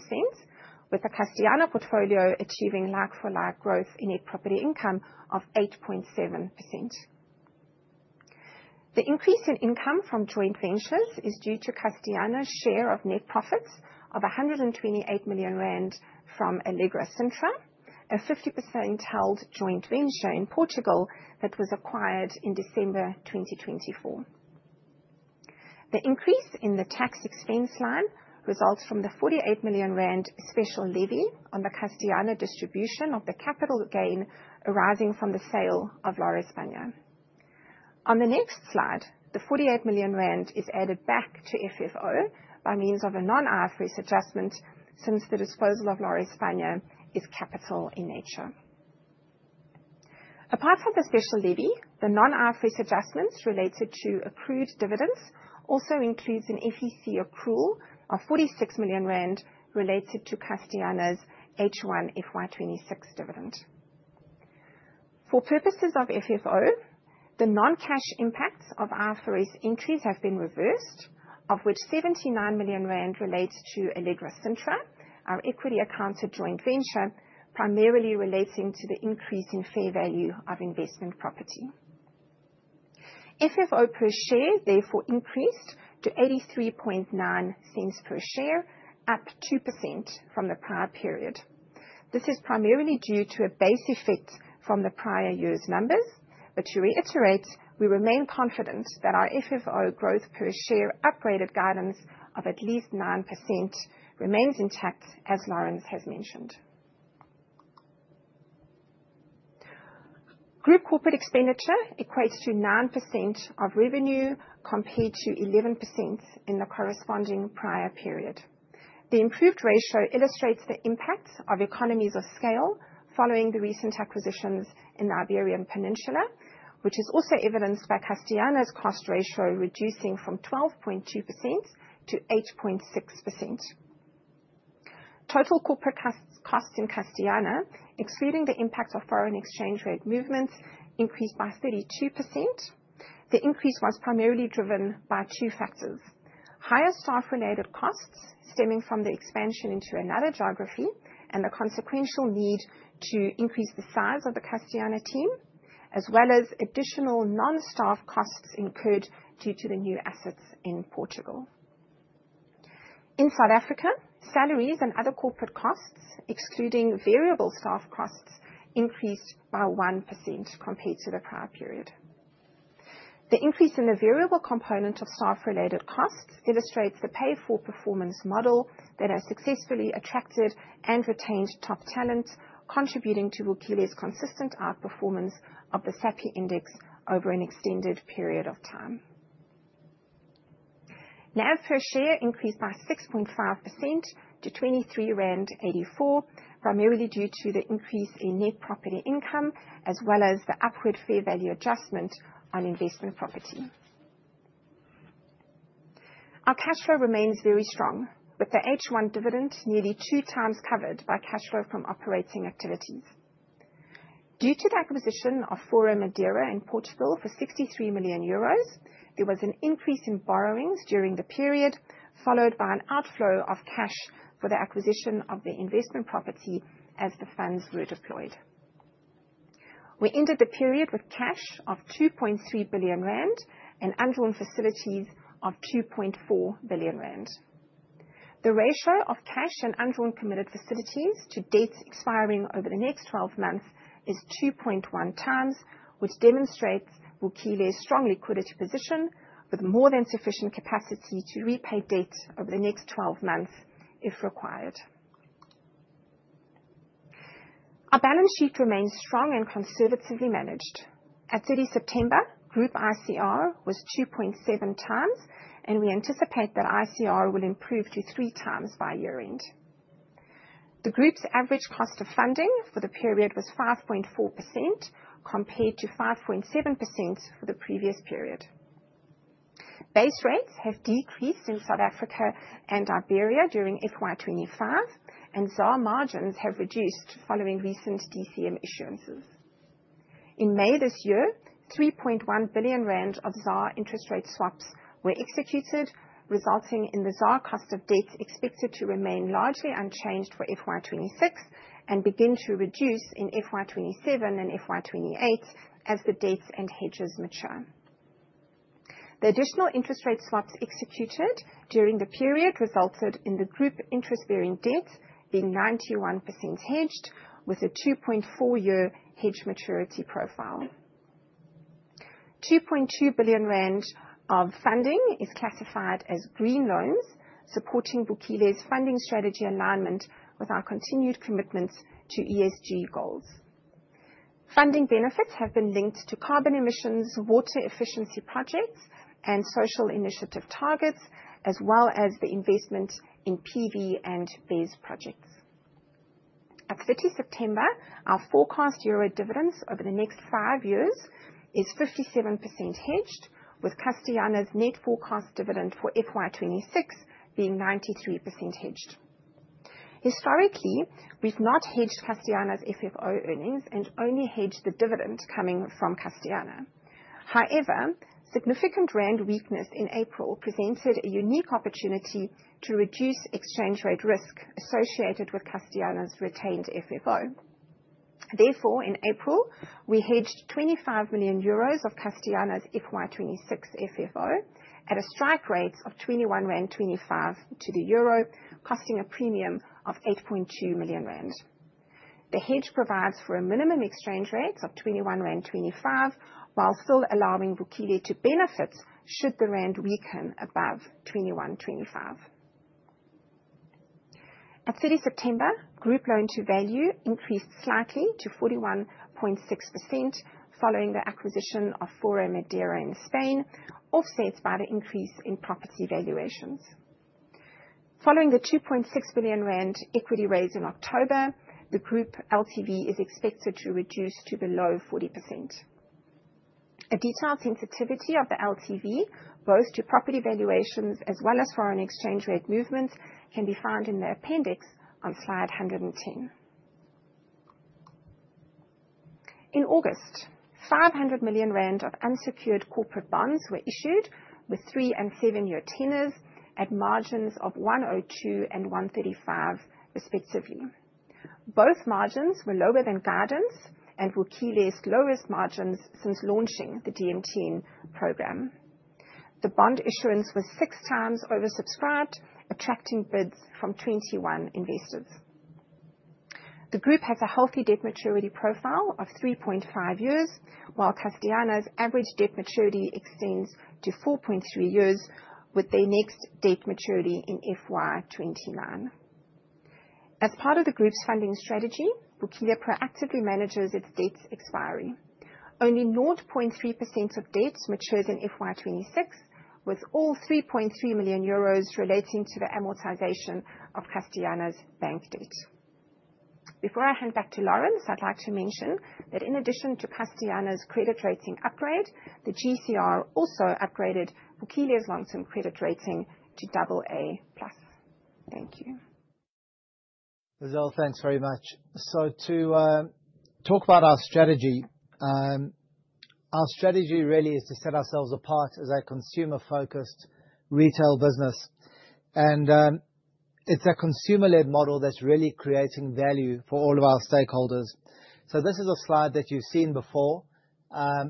with the Castellana portfolio achieving like for like growth in net property income of 8.7%. The increase in income from joint ventures is due to Castellana's share of net profits of 128 million rand from Alegro Sintra, a 50% held joint venture in Portugal that was acquired in December 2024. The increase in the tax expense line results from the 48 million rand special levy on the Castellana distribution of the capital gain arising from the sale of Lar España. On the next slide, the 48 million rand is added back to FFO by means of a non-IFRS adjustment since the disposal of Lar España is capital in nature. Apart from the special levy, the non-IFRS adjustments related to accrued dividends also includes an FEC accrual of 46 million rand related to Castellana's H1 FY26 dividend. For purposes of FFO, the non-cash impacts of IFRS entries have been reversed, of which 79 million rand relates to Alegro Sintra, our equity accounted joint venture, primarily relating to the increase in fair value of investment property. FFO per share therefore increased to 0.839 per share, up 2% from the prior period. This is primarily due to a base effect from the prior year's numbers. To reiterate, we remain confident that our FFO growth per share upgraded guidance of at least 9% remains intact, as Laurence has mentioned. Group corporate expenditure equates to 9% of revenue, compared to 11% in the corresponding prior period. The improved ratio illustrates the impact of economies of scale following the recent acquisitions in the Iberian Peninsula, which is also evidenced by Castellana's cost ratio reducing from 12.2%-8.6%. Total corporate costs in Castellana, excluding the impact of foreign exchange rate movements, increased by 32%. The increase was primarily driven by two factors: higher staff related costs stemming from the expansion into another geography and the consequential need to increase the size of the Castellana team, as well as additional non-staff costs incurred due to the new assets in Portugal. In South Africa, salaries and other corporate costs, excluding variable staff costs, increased by 1% compared to the prior period. The increase in the variable component of staff related costs illustrates the pay for performance model that has successfully attracted and retained top talent, contributing to Vukile's consistent outperformance of the SAPY index over an extended period of time. NAV per share increased by 6.5% to 23.84, primarily due to the increase in net property income as well as the upward fair value adjustment on investment property. Our cash flow remains very strong, with the H1 dividend nearly two times covered by cash flow from operating activities. Due to the acquisition of Forum Madeira in Portugal for 63 million euros, there was an increase in borrowings during the period, followed by an outflow of cash for the acquisition of the investment property as the funds were deployed. We ended the period with cash of 2.3 billion rand and undrawn facilities of 2.4 billion rand. The ratio of cash and undrawn committed facilities to dates expiring over the next 12 months is 2.1 times, which demonstrates Vukile's strong liquidity position, with more than sufficient capacity to repay debts over the next 12 months if required. Our balance sheet remains strong and conservatively managed. At 30 September, group ICR was 2.7 times, and we anticipate that ICR will improve to three times by year-end. The group's average cost of funding for the period was 5.4%, compared to 5.7% for the previous period. Base rates have decreased in South Africa and Iberia during FY 2025, and ZAR margins have reduced following recent DCM issuances. In May this year, 3.1 billion rand of ZAR interest rate swaps were executed, resulting in the ZAR cost of debt expected to remain largely unchanged for FY 2026 and begin to reduce in FY 2027 and FY 2028 as the debts and hedges mature. The additional interest rate swaps executed during the period resulted in the group interest-bearing debt being 91% hedged with a 2.4-year hedge maturity profile. 2.2 billion rand of funding is classified as green loans, supporting Vukile's funding strategy alignment with our continued commitments to ESG goals. Funding benefits have been linked to carbon emissions, water efficiency projects, and social initiative targets, as well as the investment in PV and BESS projects. At 30 of September, our forecast EUR dividends over the next five years is 57% hedged, with Castellana's net forecast dividend for FY 2026 being 93% hedged. Historically, we've not hedged Castellana's FFO earnings and only hedged the dividend coming from Castellana. Significant ZAR weakness in April presented a unique opportunity to reduce exchange rate risk associated with Castellana's retained FFO. In April, we hedged 25 million euros of Castellana's FY 2026 FFO at a strike rate of 21.25 rand to the EUR, costing a premium of 8.2 million rand. The hedge provides for a minimum exchange rate of 21.25 rand, while still allowing Vukile to benefit should the ZAR weaken above 21.25. At 30 September, group loan to value increased slightly to 41.6% following the acquisition of Forum Madeira in Spain, offsets by the increase in property valuations. Following the 2.6 billion rand equity raise in October, the group LTV is expected to reduce to below 40%. A detailed sensitivity of the LTV, both to property valuations as well as foreign exchange rate movements, can be found in the appendix on slide 110. In August, 500 million rand of unsecured corporate bonds were issued with 3 and 7-year tenors at margins of 102 and 135 respectively. Both margins were lower than guidance and Vukile's lowest margins since launching the DMT program. The bond issuance was six times oversubscribed, attracting bids from 21 investors. The group has a healthy debt maturity profile of 3.5 years, while Castellana's average debt maturity extends to 4.3 years with their next debt maturity in FY 2029. As part of the group's funding strategy, Vukile proactively manages its debt expiry. Only 0.3% of debts matures in FY 2026, with all 3.3 million euros relating to the amortization of Castellana's bank debt. Before I hand back to Laurence, I'd like to mention that in addition to Castellana's credit rating upgrade, the GCR also upgraded Vukile's long-term credit rating to AA+. Thank you. Lizelle, thanks very much. To talk about our strategy, our strategy really is to set ourselves apart as a consumer-focused retail business. It's a consumer-led model that's really creating value for all of our stakeholders. This is a slide that you've seen before.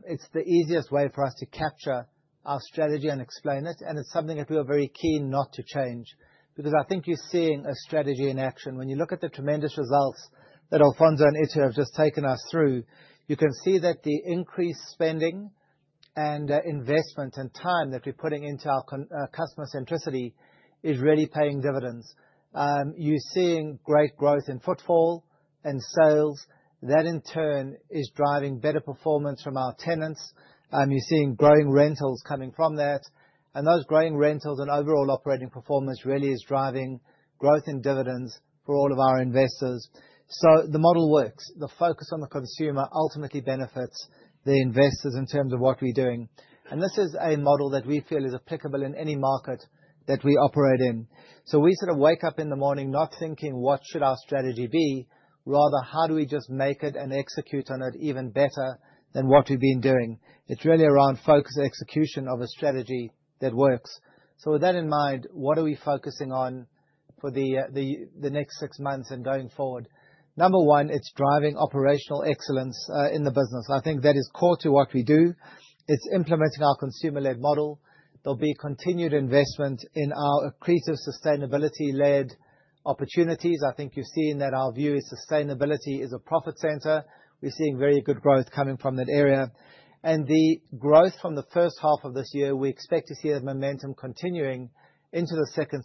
It's the easiest way for us to capture our strategy and explain it, and it's something that we are very keen not to change, because I think you're seeing a strategy in action. When you look at the tremendous results that Alfonso and Ittu have just taken us through, you can see that the increased spending and investment and time that we're putting into our customer centricity is really paying dividends. You're seeing great growth in footfall and sales. That, in turn, is driving better performance from our tenants. You're seeing growing rentals coming from that, and those growing rentals and overall operating performance really is driving growth in dividends for all of our investors. The model works. The focus on the consumer ultimately benefits the investors in terms of what we're doing. This is a model that we feel is applicable in any market that we operate in. We sort of wake up in the morning not thinking, "What should our strategy be?" Rather, "How do we just make it and execute on it even better than what we've been doing?" It's really around focused execution of a strategy that works. With that in mind, what are we focusing on for the the next six months and going forward? Number one, it's driving operational excellence in the business. I think that is core to what we do. It's implementing our consumer-led model. There'll be continued investment in our accretive sustainability-led opportunities. I think you've seen that our view is sustainability is a profit center. We're seeing very good growth coming from that area. The growth from the first half of this year, we expect to see that momentum continuing into the second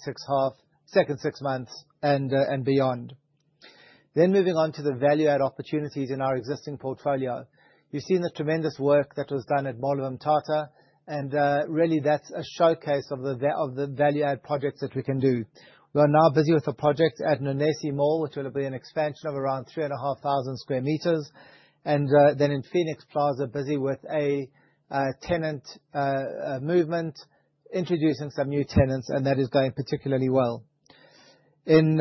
six months and beyond. Moving on to the value add opportunities in our existing portfolio. You've seen the tremendous work that was done at Mall of Mthatha, and really, that's a showcase of the value add projects that we can do. We are now busy with a project at Nonesi Mall, which will be an expansion of around 3,500 square meters. In Phoenix Plaza, busy with a tenant movement, introducing some new tenants, and that is going particularly well. In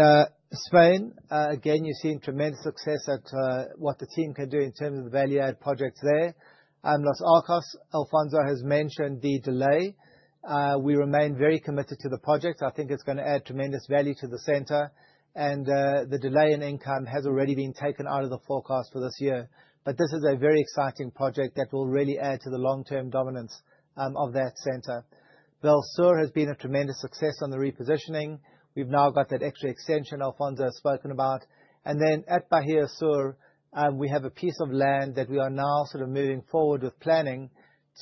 Spain, again, you're seeing tremendous success at what the team can do in terms of the value add projects there. Los Arcos, Alfonso has mentioned the delay. We remain very committed to the project. I think it's gonna add tremendous value to the center, and the delay in income has already been taken out of the forecast for this year. This is a very exciting project that will really add to the long-term dominance of that center. Vallsur has been a tremendous success on the repositioning. We've now got that extra extension Alfonso has spoken about. At Bahia Sur, we have a piece of land that we are now sort of moving forward with planning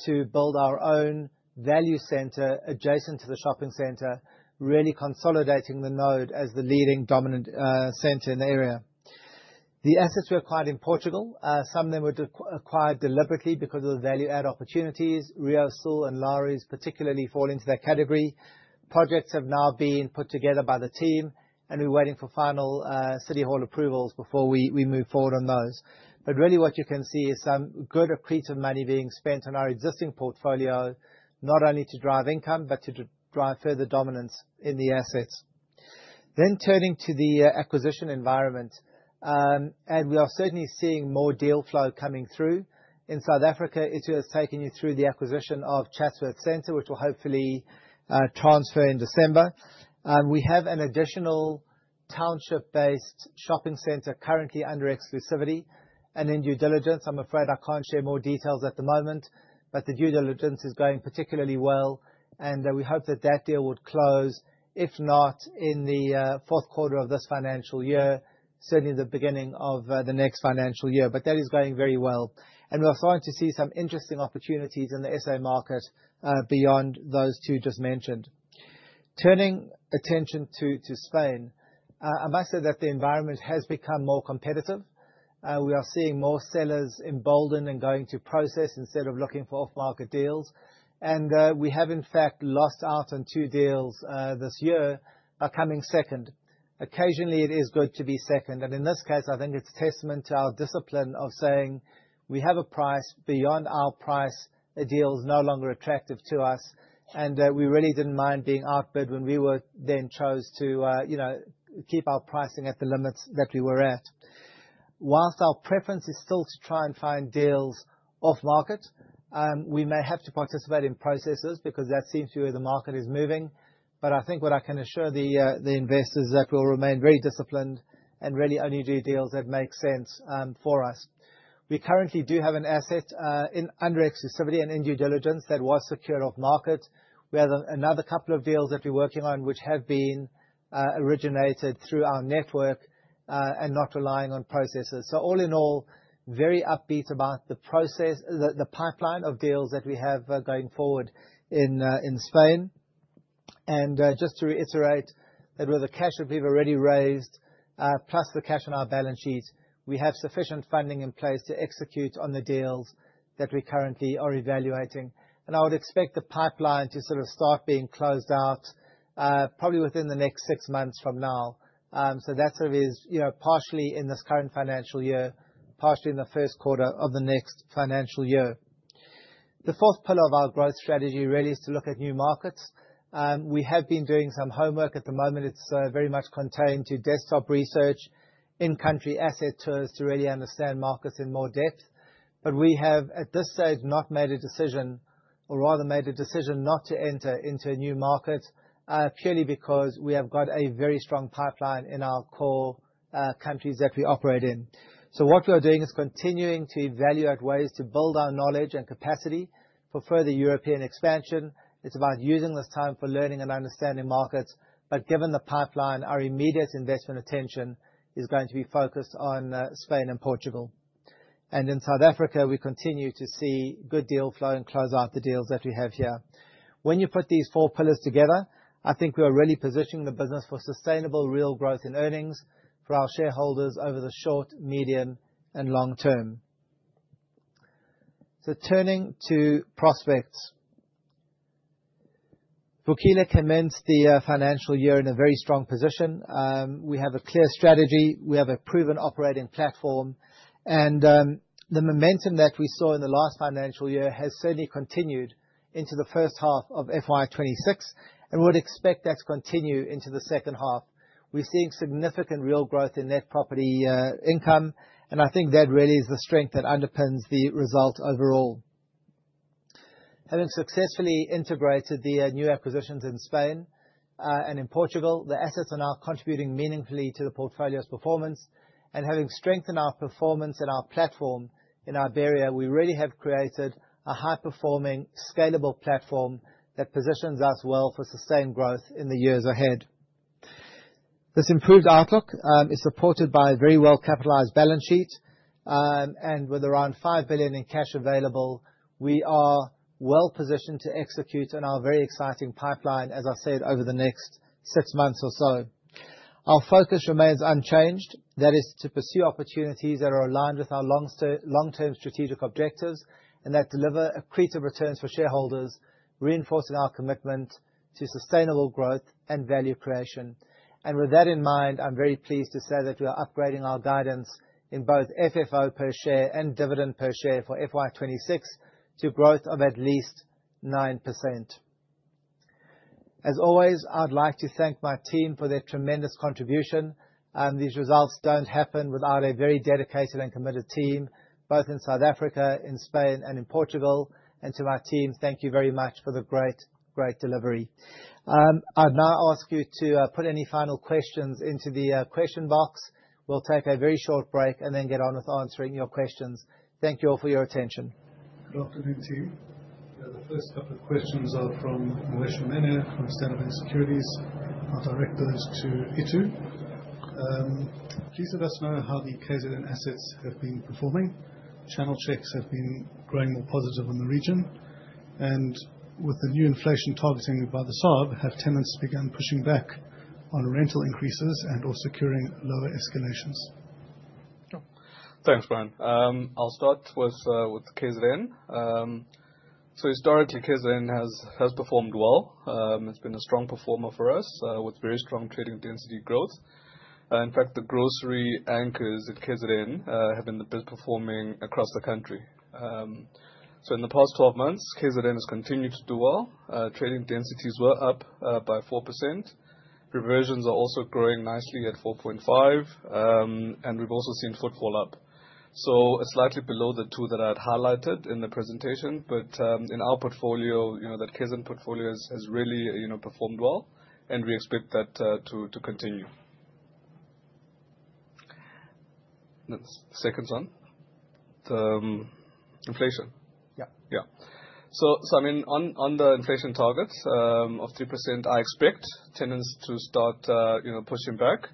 to build our own value center adjacent to the shopping center, really consolidating the node as the leading dominant center in the area. The assets we acquired in Portugal, some of them were acquired deliberately because of the value add opportunities. RioSul and Lares particularly fall into that category. Projects have now been put together by the team, and we're waiting for final city hall approvals before we move forward on those. Really what you can see is some good accretive money being spent on our existing portfolio, not only to drive income but to drive further dominance in the assets. Turning to the acquisition environment, and we are certainly seeing more deal flow coming through. In South Africa, Isia has taken you through the acquisition of Chatsworth Center, which will hopefully transfer in December. We have an additional township-based shopping center currently under exclusivity and in due diligence. I'm afraid I can't share more details at the moment, but the due diligence is going particularly well, and we hope that that deal would close, if not in the fourth quarter of this financial year, certainly the beginning of the next financial year. That is going very well. We're starting to see some interesting opportunities in the SA market, beyond those two just mentioned. Turning attention to Spain, I must say that the environment has become more competitive. We are seeing more sellers emboldened and going to process instead of looking for off-market deals. We have in fact lost out on two deals this year by coming second. Occasionally, it is good to be second, and in this case, I think it's testament to our discipline of saying, "We have a price. Beyond our price, a deal is no longer attractive to us." We really didn't mind being outbid when we were then chose to, you know, keep our pricing at the limits that we were at. Whilst our preference is still to try and find deals off market, we may have to participate in processes because that seems to be where the market is moving. I think what I can assure the investors, is that we'll remain very disciplined and really only do deals that make sense for us. We currently do have an asset in under exclusivity and in due diligence that was secured off market. We have another couple of deals that we're working on which have been originated through our network and not relying on processes. All in all, very upbeat about the process, the pipeline of deals that we have going forward in Spain. Just to reiterate that with the cash that we've already raised, plus the cash on our balance sheets, we have sufficient funding in place to execute on the deals that we currently are evaluating. I would expect the pipeline to sort of start being closed out probably within the next six months from now. That sort of is, you know, partially in this current financial year, partially in the first quarter of the next financial year. The fourth pillar of our growth strategy really is to look at new markets. We have been doing some homework. At the moment, it's very much contained to desktop research, in-country asset tours to really understand markets in more depth. We have, at this stage, not made a decision, or rather made a decision not to enter into a new market, purely because we have got a very strong pipeline in our core countries that we operate in. What we are doing is continuing to evaluate ways to build our knowledge and capacity for further European expansion. It's about using this time for learning and understanding markets. Given the pipeline, our immediate investment attention is going to be focused on Spain and Portugal. In South Africa, we continue to see good deal flow and close out the deals that we have here. When you put these four pillars together, I think we are really positioning the business for sustainable real growth in earnings for our shareholders over the short, medium, and long term. Turning to prospects. Vukile commenced the financial year in a very strong position. We have a clear strategy. We have a proven operating platform. The momentum that we saw in the last financial year has certainly continued into the first half of FY 2026, and we would expect that to continue into the second half. We're seeing significant real growth in net property income. I think that really is the strength that underpins the result overall. Having successfully integrated the new acquisitions in Spain and in Portugal, the assets are now contributing meaningfully to the portfolio's performance. Having strengthened our performance and our platform in Iberia, we really have created a high-performing, scalable platform that positions us well for sustained growth in the years ahead. This improved outlook is supported by a very well-capitalized balance sheet. With around 5 billion in cash available, we are well positioned to execute on our very exciting pipeline, as I said, over the next six months or so. Our focus remains unchanged. That is to pursue opportunities that are aligned with our long-term strategic objectives and that deliver accretive returns for shareholders, reinforcing our commitment to sustainable growth and value creation. With that in mind, I'm very pleased to say that we are upgrading our guidance in both FFO per share and dividend per share for FY 2026 to growth of at least 9%. As always, I would like to thank my team for their tremendous contribution. These results don't happen without a very dedicated and committed team, both in South Africa, in Spain, and in Portugal. To my team, thank you very much for the great delivery. I'd now ask you to put any final questions into the question box. We'll take a very short break and then get on with answering your questions. Thank you all for your attention. Good afternoon, team. The first couple of questions are from Wesh Manio from SBG Securities. I'll direct those to Ittu. Please let us know how the KZN assets have been performing. Channel checks have been growing more positive in the region. With the new inflation targeting by the SARB, have tenants begun pushing back on rental increases and/or securing lower escalations? Sure. Thanks, Brian. I'll start with KZN. Historically, KZN has performed well. It's been a strong performer for us with very strong trading density growth. In fact, the grocery anchors at KZN have been the best performing across the country. In the past 12 months, KZN has continued to do well. Trading densities were up by 4%. Reversions are also growing nicely at 4.5%. We've also seen footfall up. Slightly below the two that I had highlighted in the presentation, but in our portfolio, you know, that KZN portfolio has really, you know, performed well, and we expect that to continue. Next, second one. Inflation. Yeah. I mean, on the inflation targets, of 3%, I expect tenants to start, you know, pushing back.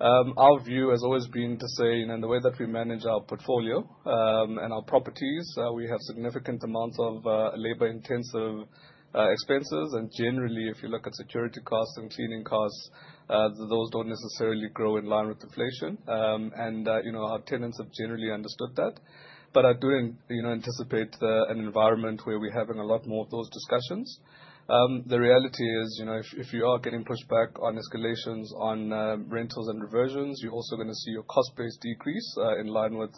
Our view has always been to say, you know, the way that we manage our portfolio and our properties, we have significant amounts of labor-intensive expenses. Generally, if you look at security costs and cleaning costs, those don't necessarily grow in line with inflation. You know, our tenants have generally understood that. I do, you know, anticipate an environment where we have a lot more of those discussions. The reality is, you know, if you are getting pushed back on escalations on rentals and reversions, you're also gonna see your cost base decrease in line with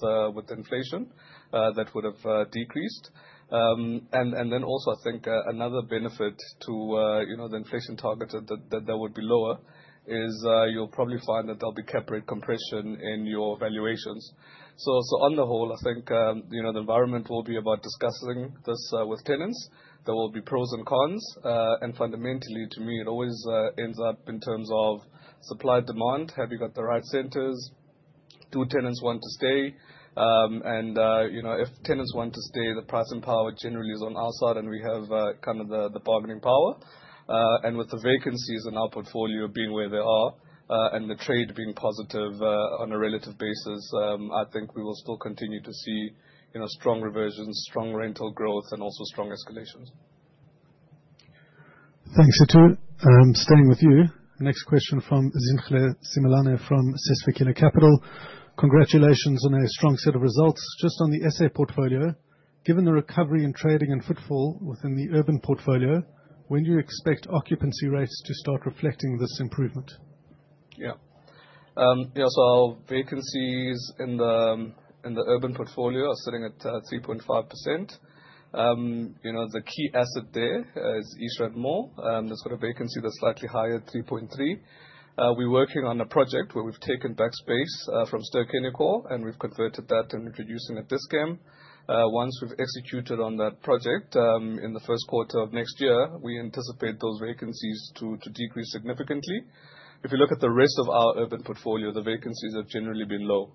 inflation that would have decreased. I think, another benefit you know, the inflation target that would be lower is, you'll probably find that there'll be cap rate compression in your valuations. I think, you know, the environment will be about discussing this with tenants. There will be pros and cons. Fundamentally, to me, it always ends up in terms of supply, demand. Have you got the right centers? Do tenants want to stay? You know, if tenants want to stay, the pricing power generally is on our side, and we have kind of the bargaining power. With the vacancies in our portfolio being where they are, and the trade being positive, on a relative basis, I think we will still continue to see, you know, strong reversions, strong rental growth, and also strong escalations. Thanks, Ittu. Staying with you, next question from Zinhle Simelane from Sasfin Capital. Congratulations on a strong set of results. Just on the SA portfolio, given the recovery in trading and footfall within the urban portfolio, when do you expect occupancy rates to start reflecting this improvement? Yeah. Our vacancies in the urban portfolio are sitting at 3.5%. You know, the key asset there is East Rand Mall. It's got a vacancy that's slightly higher at 3.3. We're working on a project where we've taken back space from Ster-Kinekor, and we've converted that, and we're producing a Dis-Chem. Once we've executed on that project, in the first quarter of next year, we anticipate those vacancies to decrease significantly. If you look at the rest of our urban portfolio, the vacancies have generally been low.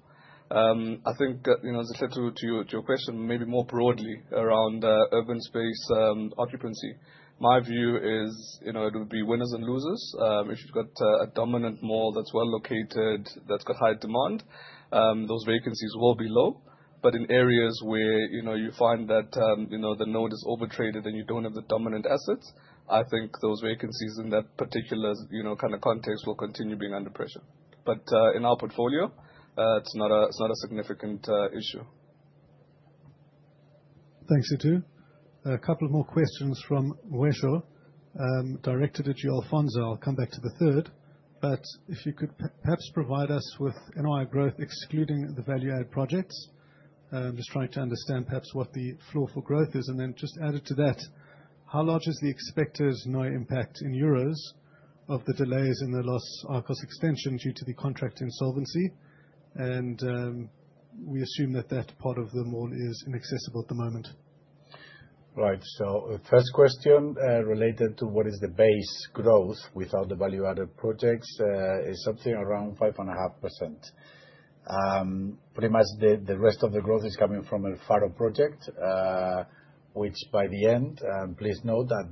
I think, you know, Zinhle, to your, to your question, maybe more broadly around urban space, occupancy, my view is, you know, it will be winners and losers. If you've got a dominant mall that's well located, that's got high demand, those vacancies will be low. In areas where, you know, you find that, you know, the node is overtraded and you don't have the dominant assets, I think those vacancies in that particular, you know, kind of context will continue being under pressure. In our portfolio, it's not a, it's not a significant issue. Thanks, Ittu. A couple more questions from Wesh, directed at you, Alfonso. I'll come back to the third. If you could perhaps provide us with NOI growth, excluding the value add projects. Just trying to understand perhaps what the floor for growth is and just added to that. How large is the expected NOI impact in euros of the delays in the Los Arcos extension due to the contract insolvency? We assume that that part of the mall is inaccessible at the moment. First question, related to what is the base growth without the Value-Added Projects, is something around 5.5%. Pretty much the rest of the growth is coming from El Faro project, which by the end, please note that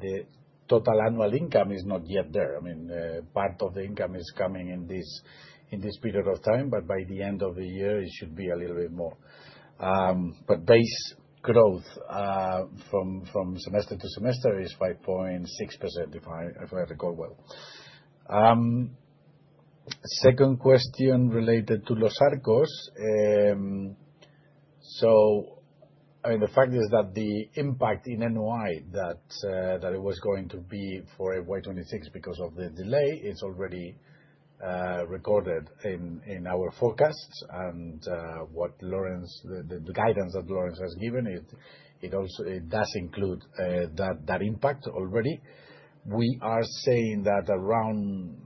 the total annual income is not yet there. I mean, part of the income is coming in this, in this period of time, but by the end of the year, it should be a little bit more. Base growth from semester to semester is 5.6%, if I recall well. Second question related to Los Arcos. I mean, the fact is that the impact in NOI that it was going to be for FY 2026 because of the delay is already recorded in our forecasts. What Laurence, the guidance that Laurence has given it does include that impact already. We are saying that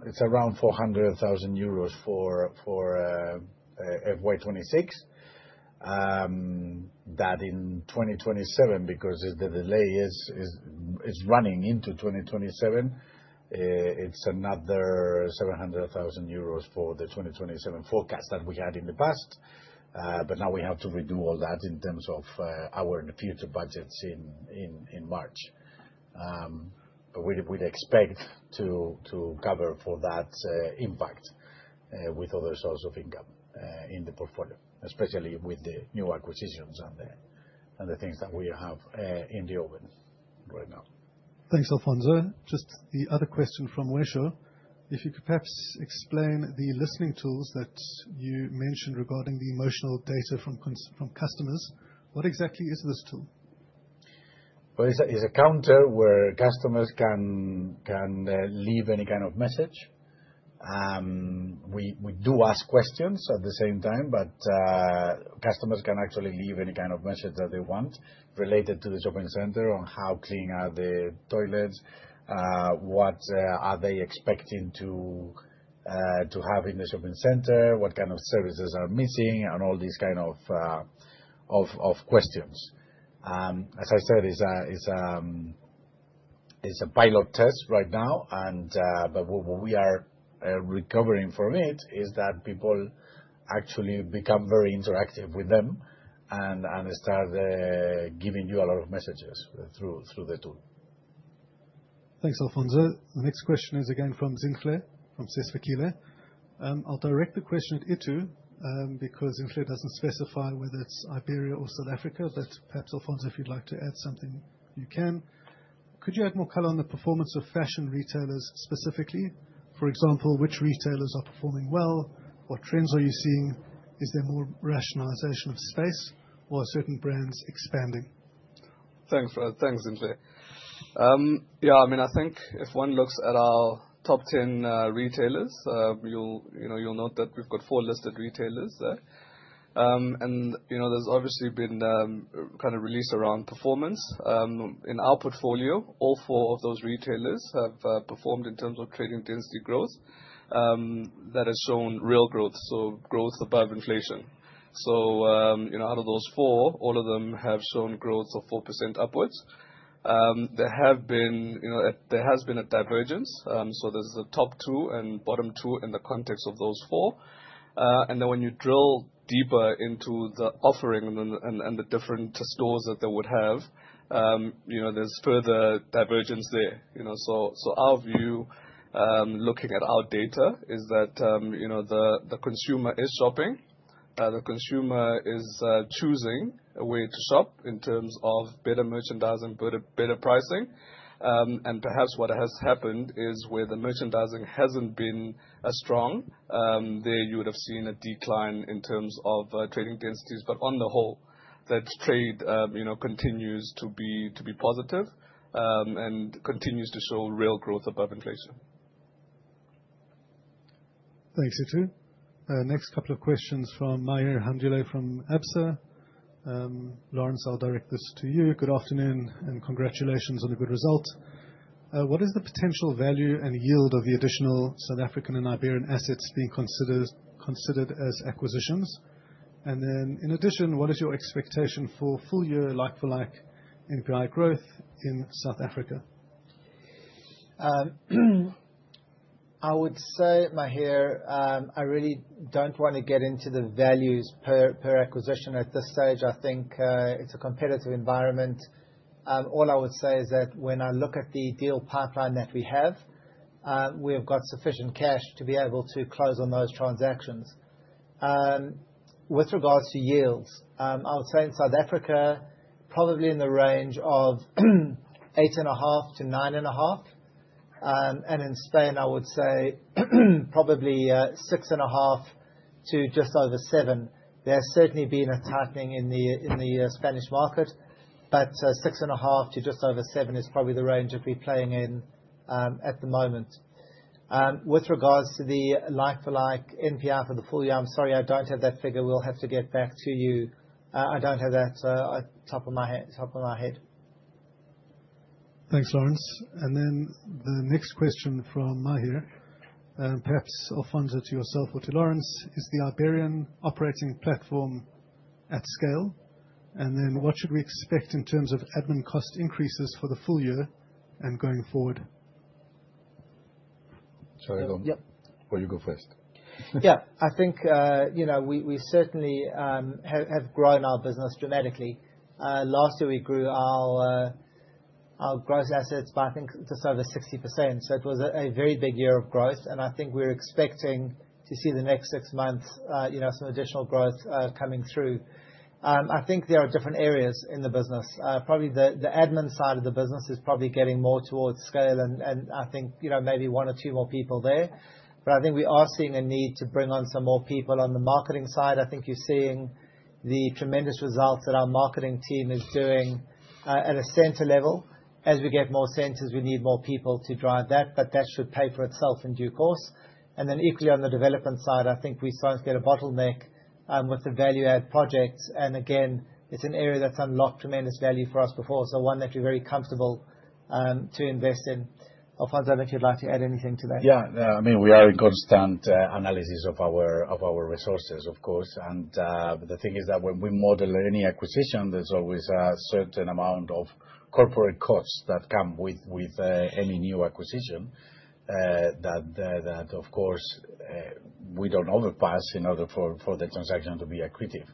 it's around EUR 400,000 for FY 2026. In 2027, because the delay is running into 2027, it's another 700,000 euros for the 2027 forecast that we had in the past. Now we have to redo all that in terms of our future budgets in March. We'd expect to cover for that impact with other sources of income in the portfolio, especially with the new acquisitions and the things that we have in the oven right now. Thanks, Alfonso. Just the other question from Wesho. If you could perhaps explain the listening tools that you mentioned regarding the emotional data from customers. What exactly is this tool? Well, it's a counter where customers can leave any kind of message. We do ask questions at the same time, customers can actually leave any kind of message that they want related to the shopping center on how clean are the toilets, what are they expecting to have in the shopping center, what kind of services are missing, and all these kind of questions. As I said, it's a pilot test right now. What we are recovering from it is that people actually become very interactive with them and start giving you a lot of messages through the tool. Thanks, Alfonso. The next question is again from Zinhle, from Sesfikile Capital. I'll direct the question at Ittu, because Zinhle doesn't specify whether it's Iberia or South Africa. Perhaps Alfonso, if you'd like to add something, you can. Could you add more color on the performance of fashion retailers specifically? For example, which retailers are performing well? What trends are you seeing? Is there more rationalization of space or certain brands expanding? Thanks. Thanks, Zinhle. Yeah, I mean, I think if one looks at our top 10 retailers, you know, you'll note that we've got four listed retailers there. You know, there's obviously been kind of release around performance. In our portfolio, all four of those retailers have performed in terms of trading density growth that has shown real growth, so growth above inflation. You know, out of those four, all of them have shown growth of 4% upwards. There have been, you know, there has been a divergence, so there's a top two and bottom two in the context of those four. Then when you drill deeper into the offering and the different stores that they would have, you know, there's further divergence there, you know. Our view, looking at our data is that, you know, the consumer is shopping. The consumer is choosing a way to shop in terms of better merchandising, better pricing. Perhaps what has happened is where the merchandising hasn't been as strong, there you would have seen a decline in terms of trading densities. On the whole, that trade, you know, continues to be positive and continues to show real growth above inflation. Thanks, Ittu. Next couple of questions from Maher Handulei from Absa. Laurence, I'll direct this to you. Good afternoon and congratulations on the good result. What is the potential value and yield of the additional South African and Iberian assets being considered as acquisitions? In addition, what is your expectation for full year like for like NPI growth in South Africa? I would say, Maher Handulei, I really don't wanna get into the values per acquisition at this stage. I think it's a competitive environment. All I would say is that when I look at the deal pipeline that we have, we have got sufficient cash to be able to close on those transactions. With regards to yields, I would say in South Africa, probably in the range of 8.5%-9.5%. In Spain, I would say, probably, 6.5% to just over 7%. There has certainly been a tightening in the Spanish market, 6.5% to just over 7% is probably the range that we're playing in at the moment. With regards to the like for like NPI for the full year, I'm sorry, I don't have that figure. We'll have to get back to you. I don't have that at top of my head. Thanks, Laurence. The next question from Maher. Perhaps Alfonso to yourself or to Laurence. Is the Iberian operating platform at scale? What should we expect in terms of admin cost increases for the full year and going forward? Shall I go? Yep. You go first. Yeah. I think, you know, we certainly have grown our business dramatically. Last year we grew our Our gross assets by, I think, just over 60%. It was a very big year of growth, and I think we're expecting to see the next six months, you know, some additional growth coming through. I think there are different areas in the business. Probably the admin side of the business is probably getting more towards scale and I think, you know, maybe one or two more people there. I think we are seeing a need to bring on some more people on the marketing side. I think you're seeing the tremendous results that our marketing team is doing at a center level. As we get more centers, we need more people to drive that, but that should pay for itself in due course. Equally on the development side, I think we started to get a bottleneck, with the Value-Added Projects, and again, it's an area that's unlocked tremendous value for us before. One that we're very comfortable, to invest in. Alfonso, if you'd like to add anything to that. Yeah, no, I mean, we are in constant analysis of our resources, of course. The thing is that when we model any acquisition, there's always a certain amount of corporate costs that come with any new acquisition that, of course, we don't overpass in order for the transaction to be accretive.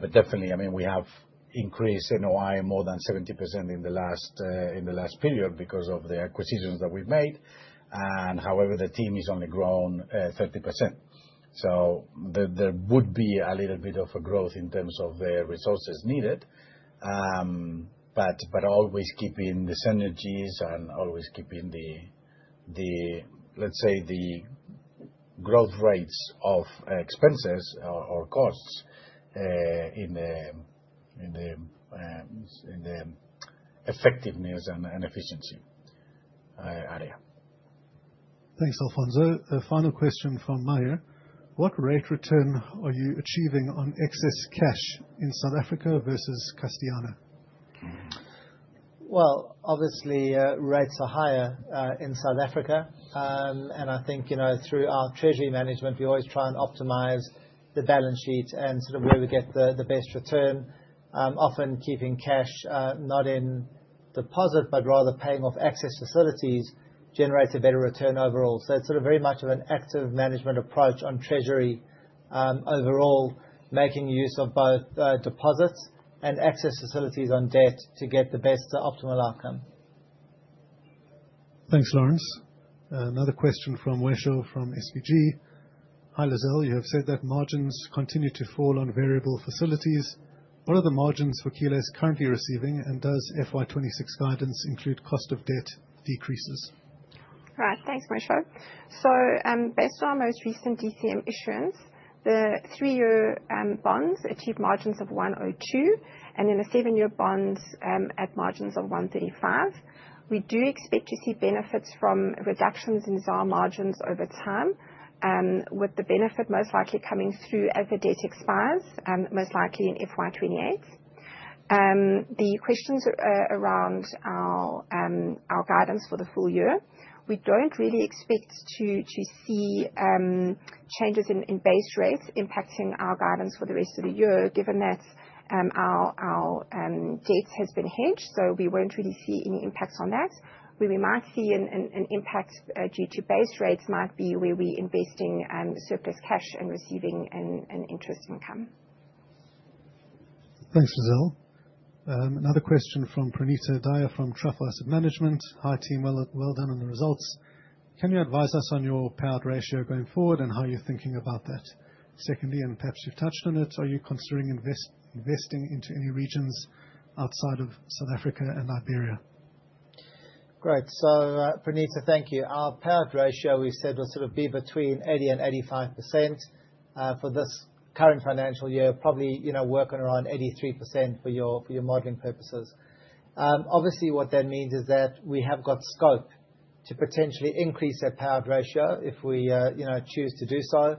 But definitely, I mean, we have increased NOI more than 70% in the last period because of the acquisitions that we've made. However, the team has only grown 30%. There would be a little bit of a growth in terms of the resources needed. Always keeping the synergies and always keeping the, let's say, the growth rates of expenses or costs in the effectiveness and efficiency area. Thanks, Alfonso. The final question from Maher. What rate return are you achieving on excess cash in South Africa versus Castellana? Well, obviously, rates are higher, in South Africa. And I think, you know, through our treasury management, we always try and optimize the balance sheet and sort of where we get the best return, often keeping cash, not in deposit, but rather paying off access facilities generates a better return overall. It's sort of very much of an active management approach on treasury, overall, making use of both, deposits and access facilities on debt to get the best optimal outcome. Thanks, Laurence. Another question from Wesho, from SBG. Hi, Lizelle. You have said that margins continue to fall on variable facilities. What are the margins Vukile is currently receiving, and does FY 2026 guidance include cost of debt decreases? Thanks, Wesho. Based on our most recent DCM issuance, the three-year bonds achieve margins of 102, and the seven-year bonds at margins of 135. We do expect to see benefits from reductions in ZAR margins over time, with the benefit most likely coming through as the debt expires, most likely in FY 2028. The questions around our guidance for the full year, we don't really expect to see changes in base rates impacting our guidance for the rest of the year, given that our debt has been hedged, we won't really see any impact on that. Where we might see an impact due to base rates might be where we're investing surplus cash and receiving an interest income. Thanks, Lizelle. Another question from Pranita Daya, from Truffle Asset Management. Hi, team. Well, well done on the results. Can you advise us on your payout ratio going forward and how you're thinking about that? Secondly, and perhaps you've touched on it, are you considering investing into any regions outside of South Africa and Liberia? Great. Pranita, thank you. Our payout ratio, we said, will sort of be between 80% and 85% for this current financial year, probably, you know, working around 83% for your, for your modeling purposes. Obviously, what that means is that we have got scope to potentially increase our payout ratio if we, you know, choose to do so.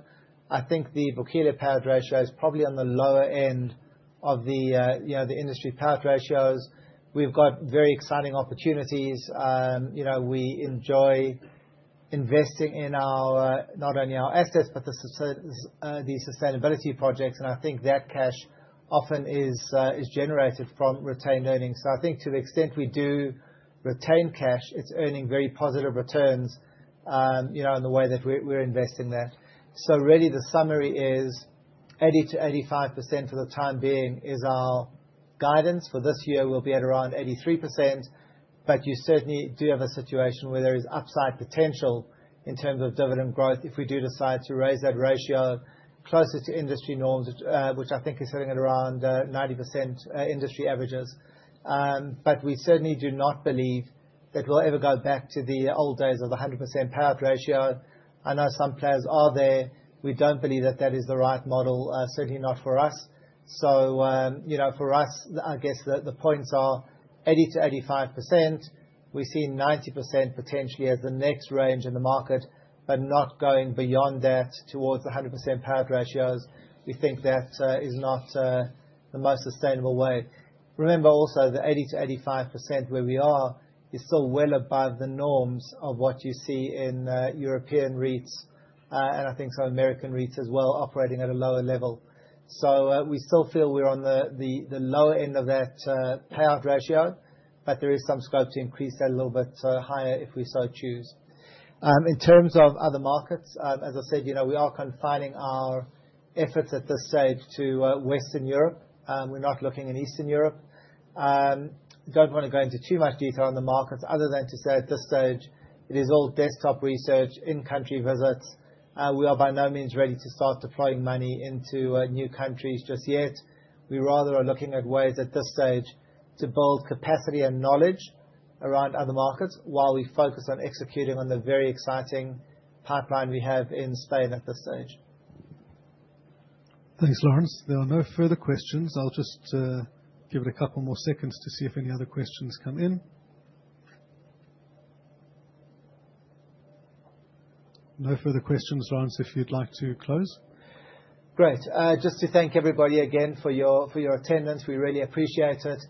I think the Vukile payout ratio is probably on the lower end of the, you know, the industry payout ratios. We've got very exciting opportunities. You know, we enjoy investing in our, not only our assets, but the sustainability projects, and I think that cash often is generated from retained earnings. I think to the extent we do retain cash, it's earning very positive returns, you know, in the way that we're investing that. Really the summary is 80%-85% for the time being is our guidance. For this year, we'll be at around 83%, but you certainly do have a situation where there is upside potential in terms of dividend growth if we do decide to raise that ratio closer to industry norms, which I think is sitting at around 90% industry averages. We certainly do not believe that we'll ever go back to the old days of the 100% payout ratio. I know some players are there. We don't believe that that is the right model, certainly not for us. You know, for us, the points are 80%-85%. We're seeing 90% potentially as the next range in the market, but not going beyond that towards the 100% payout ratios. We think that is not the most sustainable way. Remember also, the 80%-85% where we are is still well above the norms of what you see in European REITs and I think some American REITs as well, operating at a lower level. We still feel we're on the lower end of that payout ratio, but there is some scope to increase that a little bit higher if we so choose. In terms of other markets, as I said, you know, we are confining our efforts at this stage to Western Europe. We're not looking in Eastern Europe. Don't wanna go into too much detail on the markets other than to say at this stage it is all desktop research, in-country visits. We are by no means ready to start deploying money into new countries just yet. We rather are looking at ways at this stage to build capacity and knowledge around other markets while we focus on executing on the very exciting pipeline we have in Spain at this stage. Thanks, Laurence. There are no further questions. I'll just give it a couple more seconds to see if any other questions come in. No further questions, Laurence, if you'd like to close. Great. Just to thank everybody again for your attendance. We really appreciate it.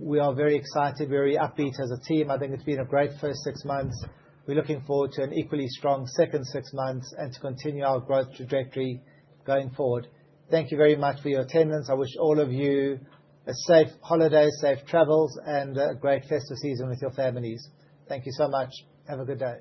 We are very excited, very upbeat as a team. I think it's been a great first six months. We're looking forward to an equally strong second six months and to continue our growth trajectory going forward. Thank you very much for your attendance. I wish all of you a safe holiday, safe travels, and a great festive season with your families. Thank you so much. Have a good day.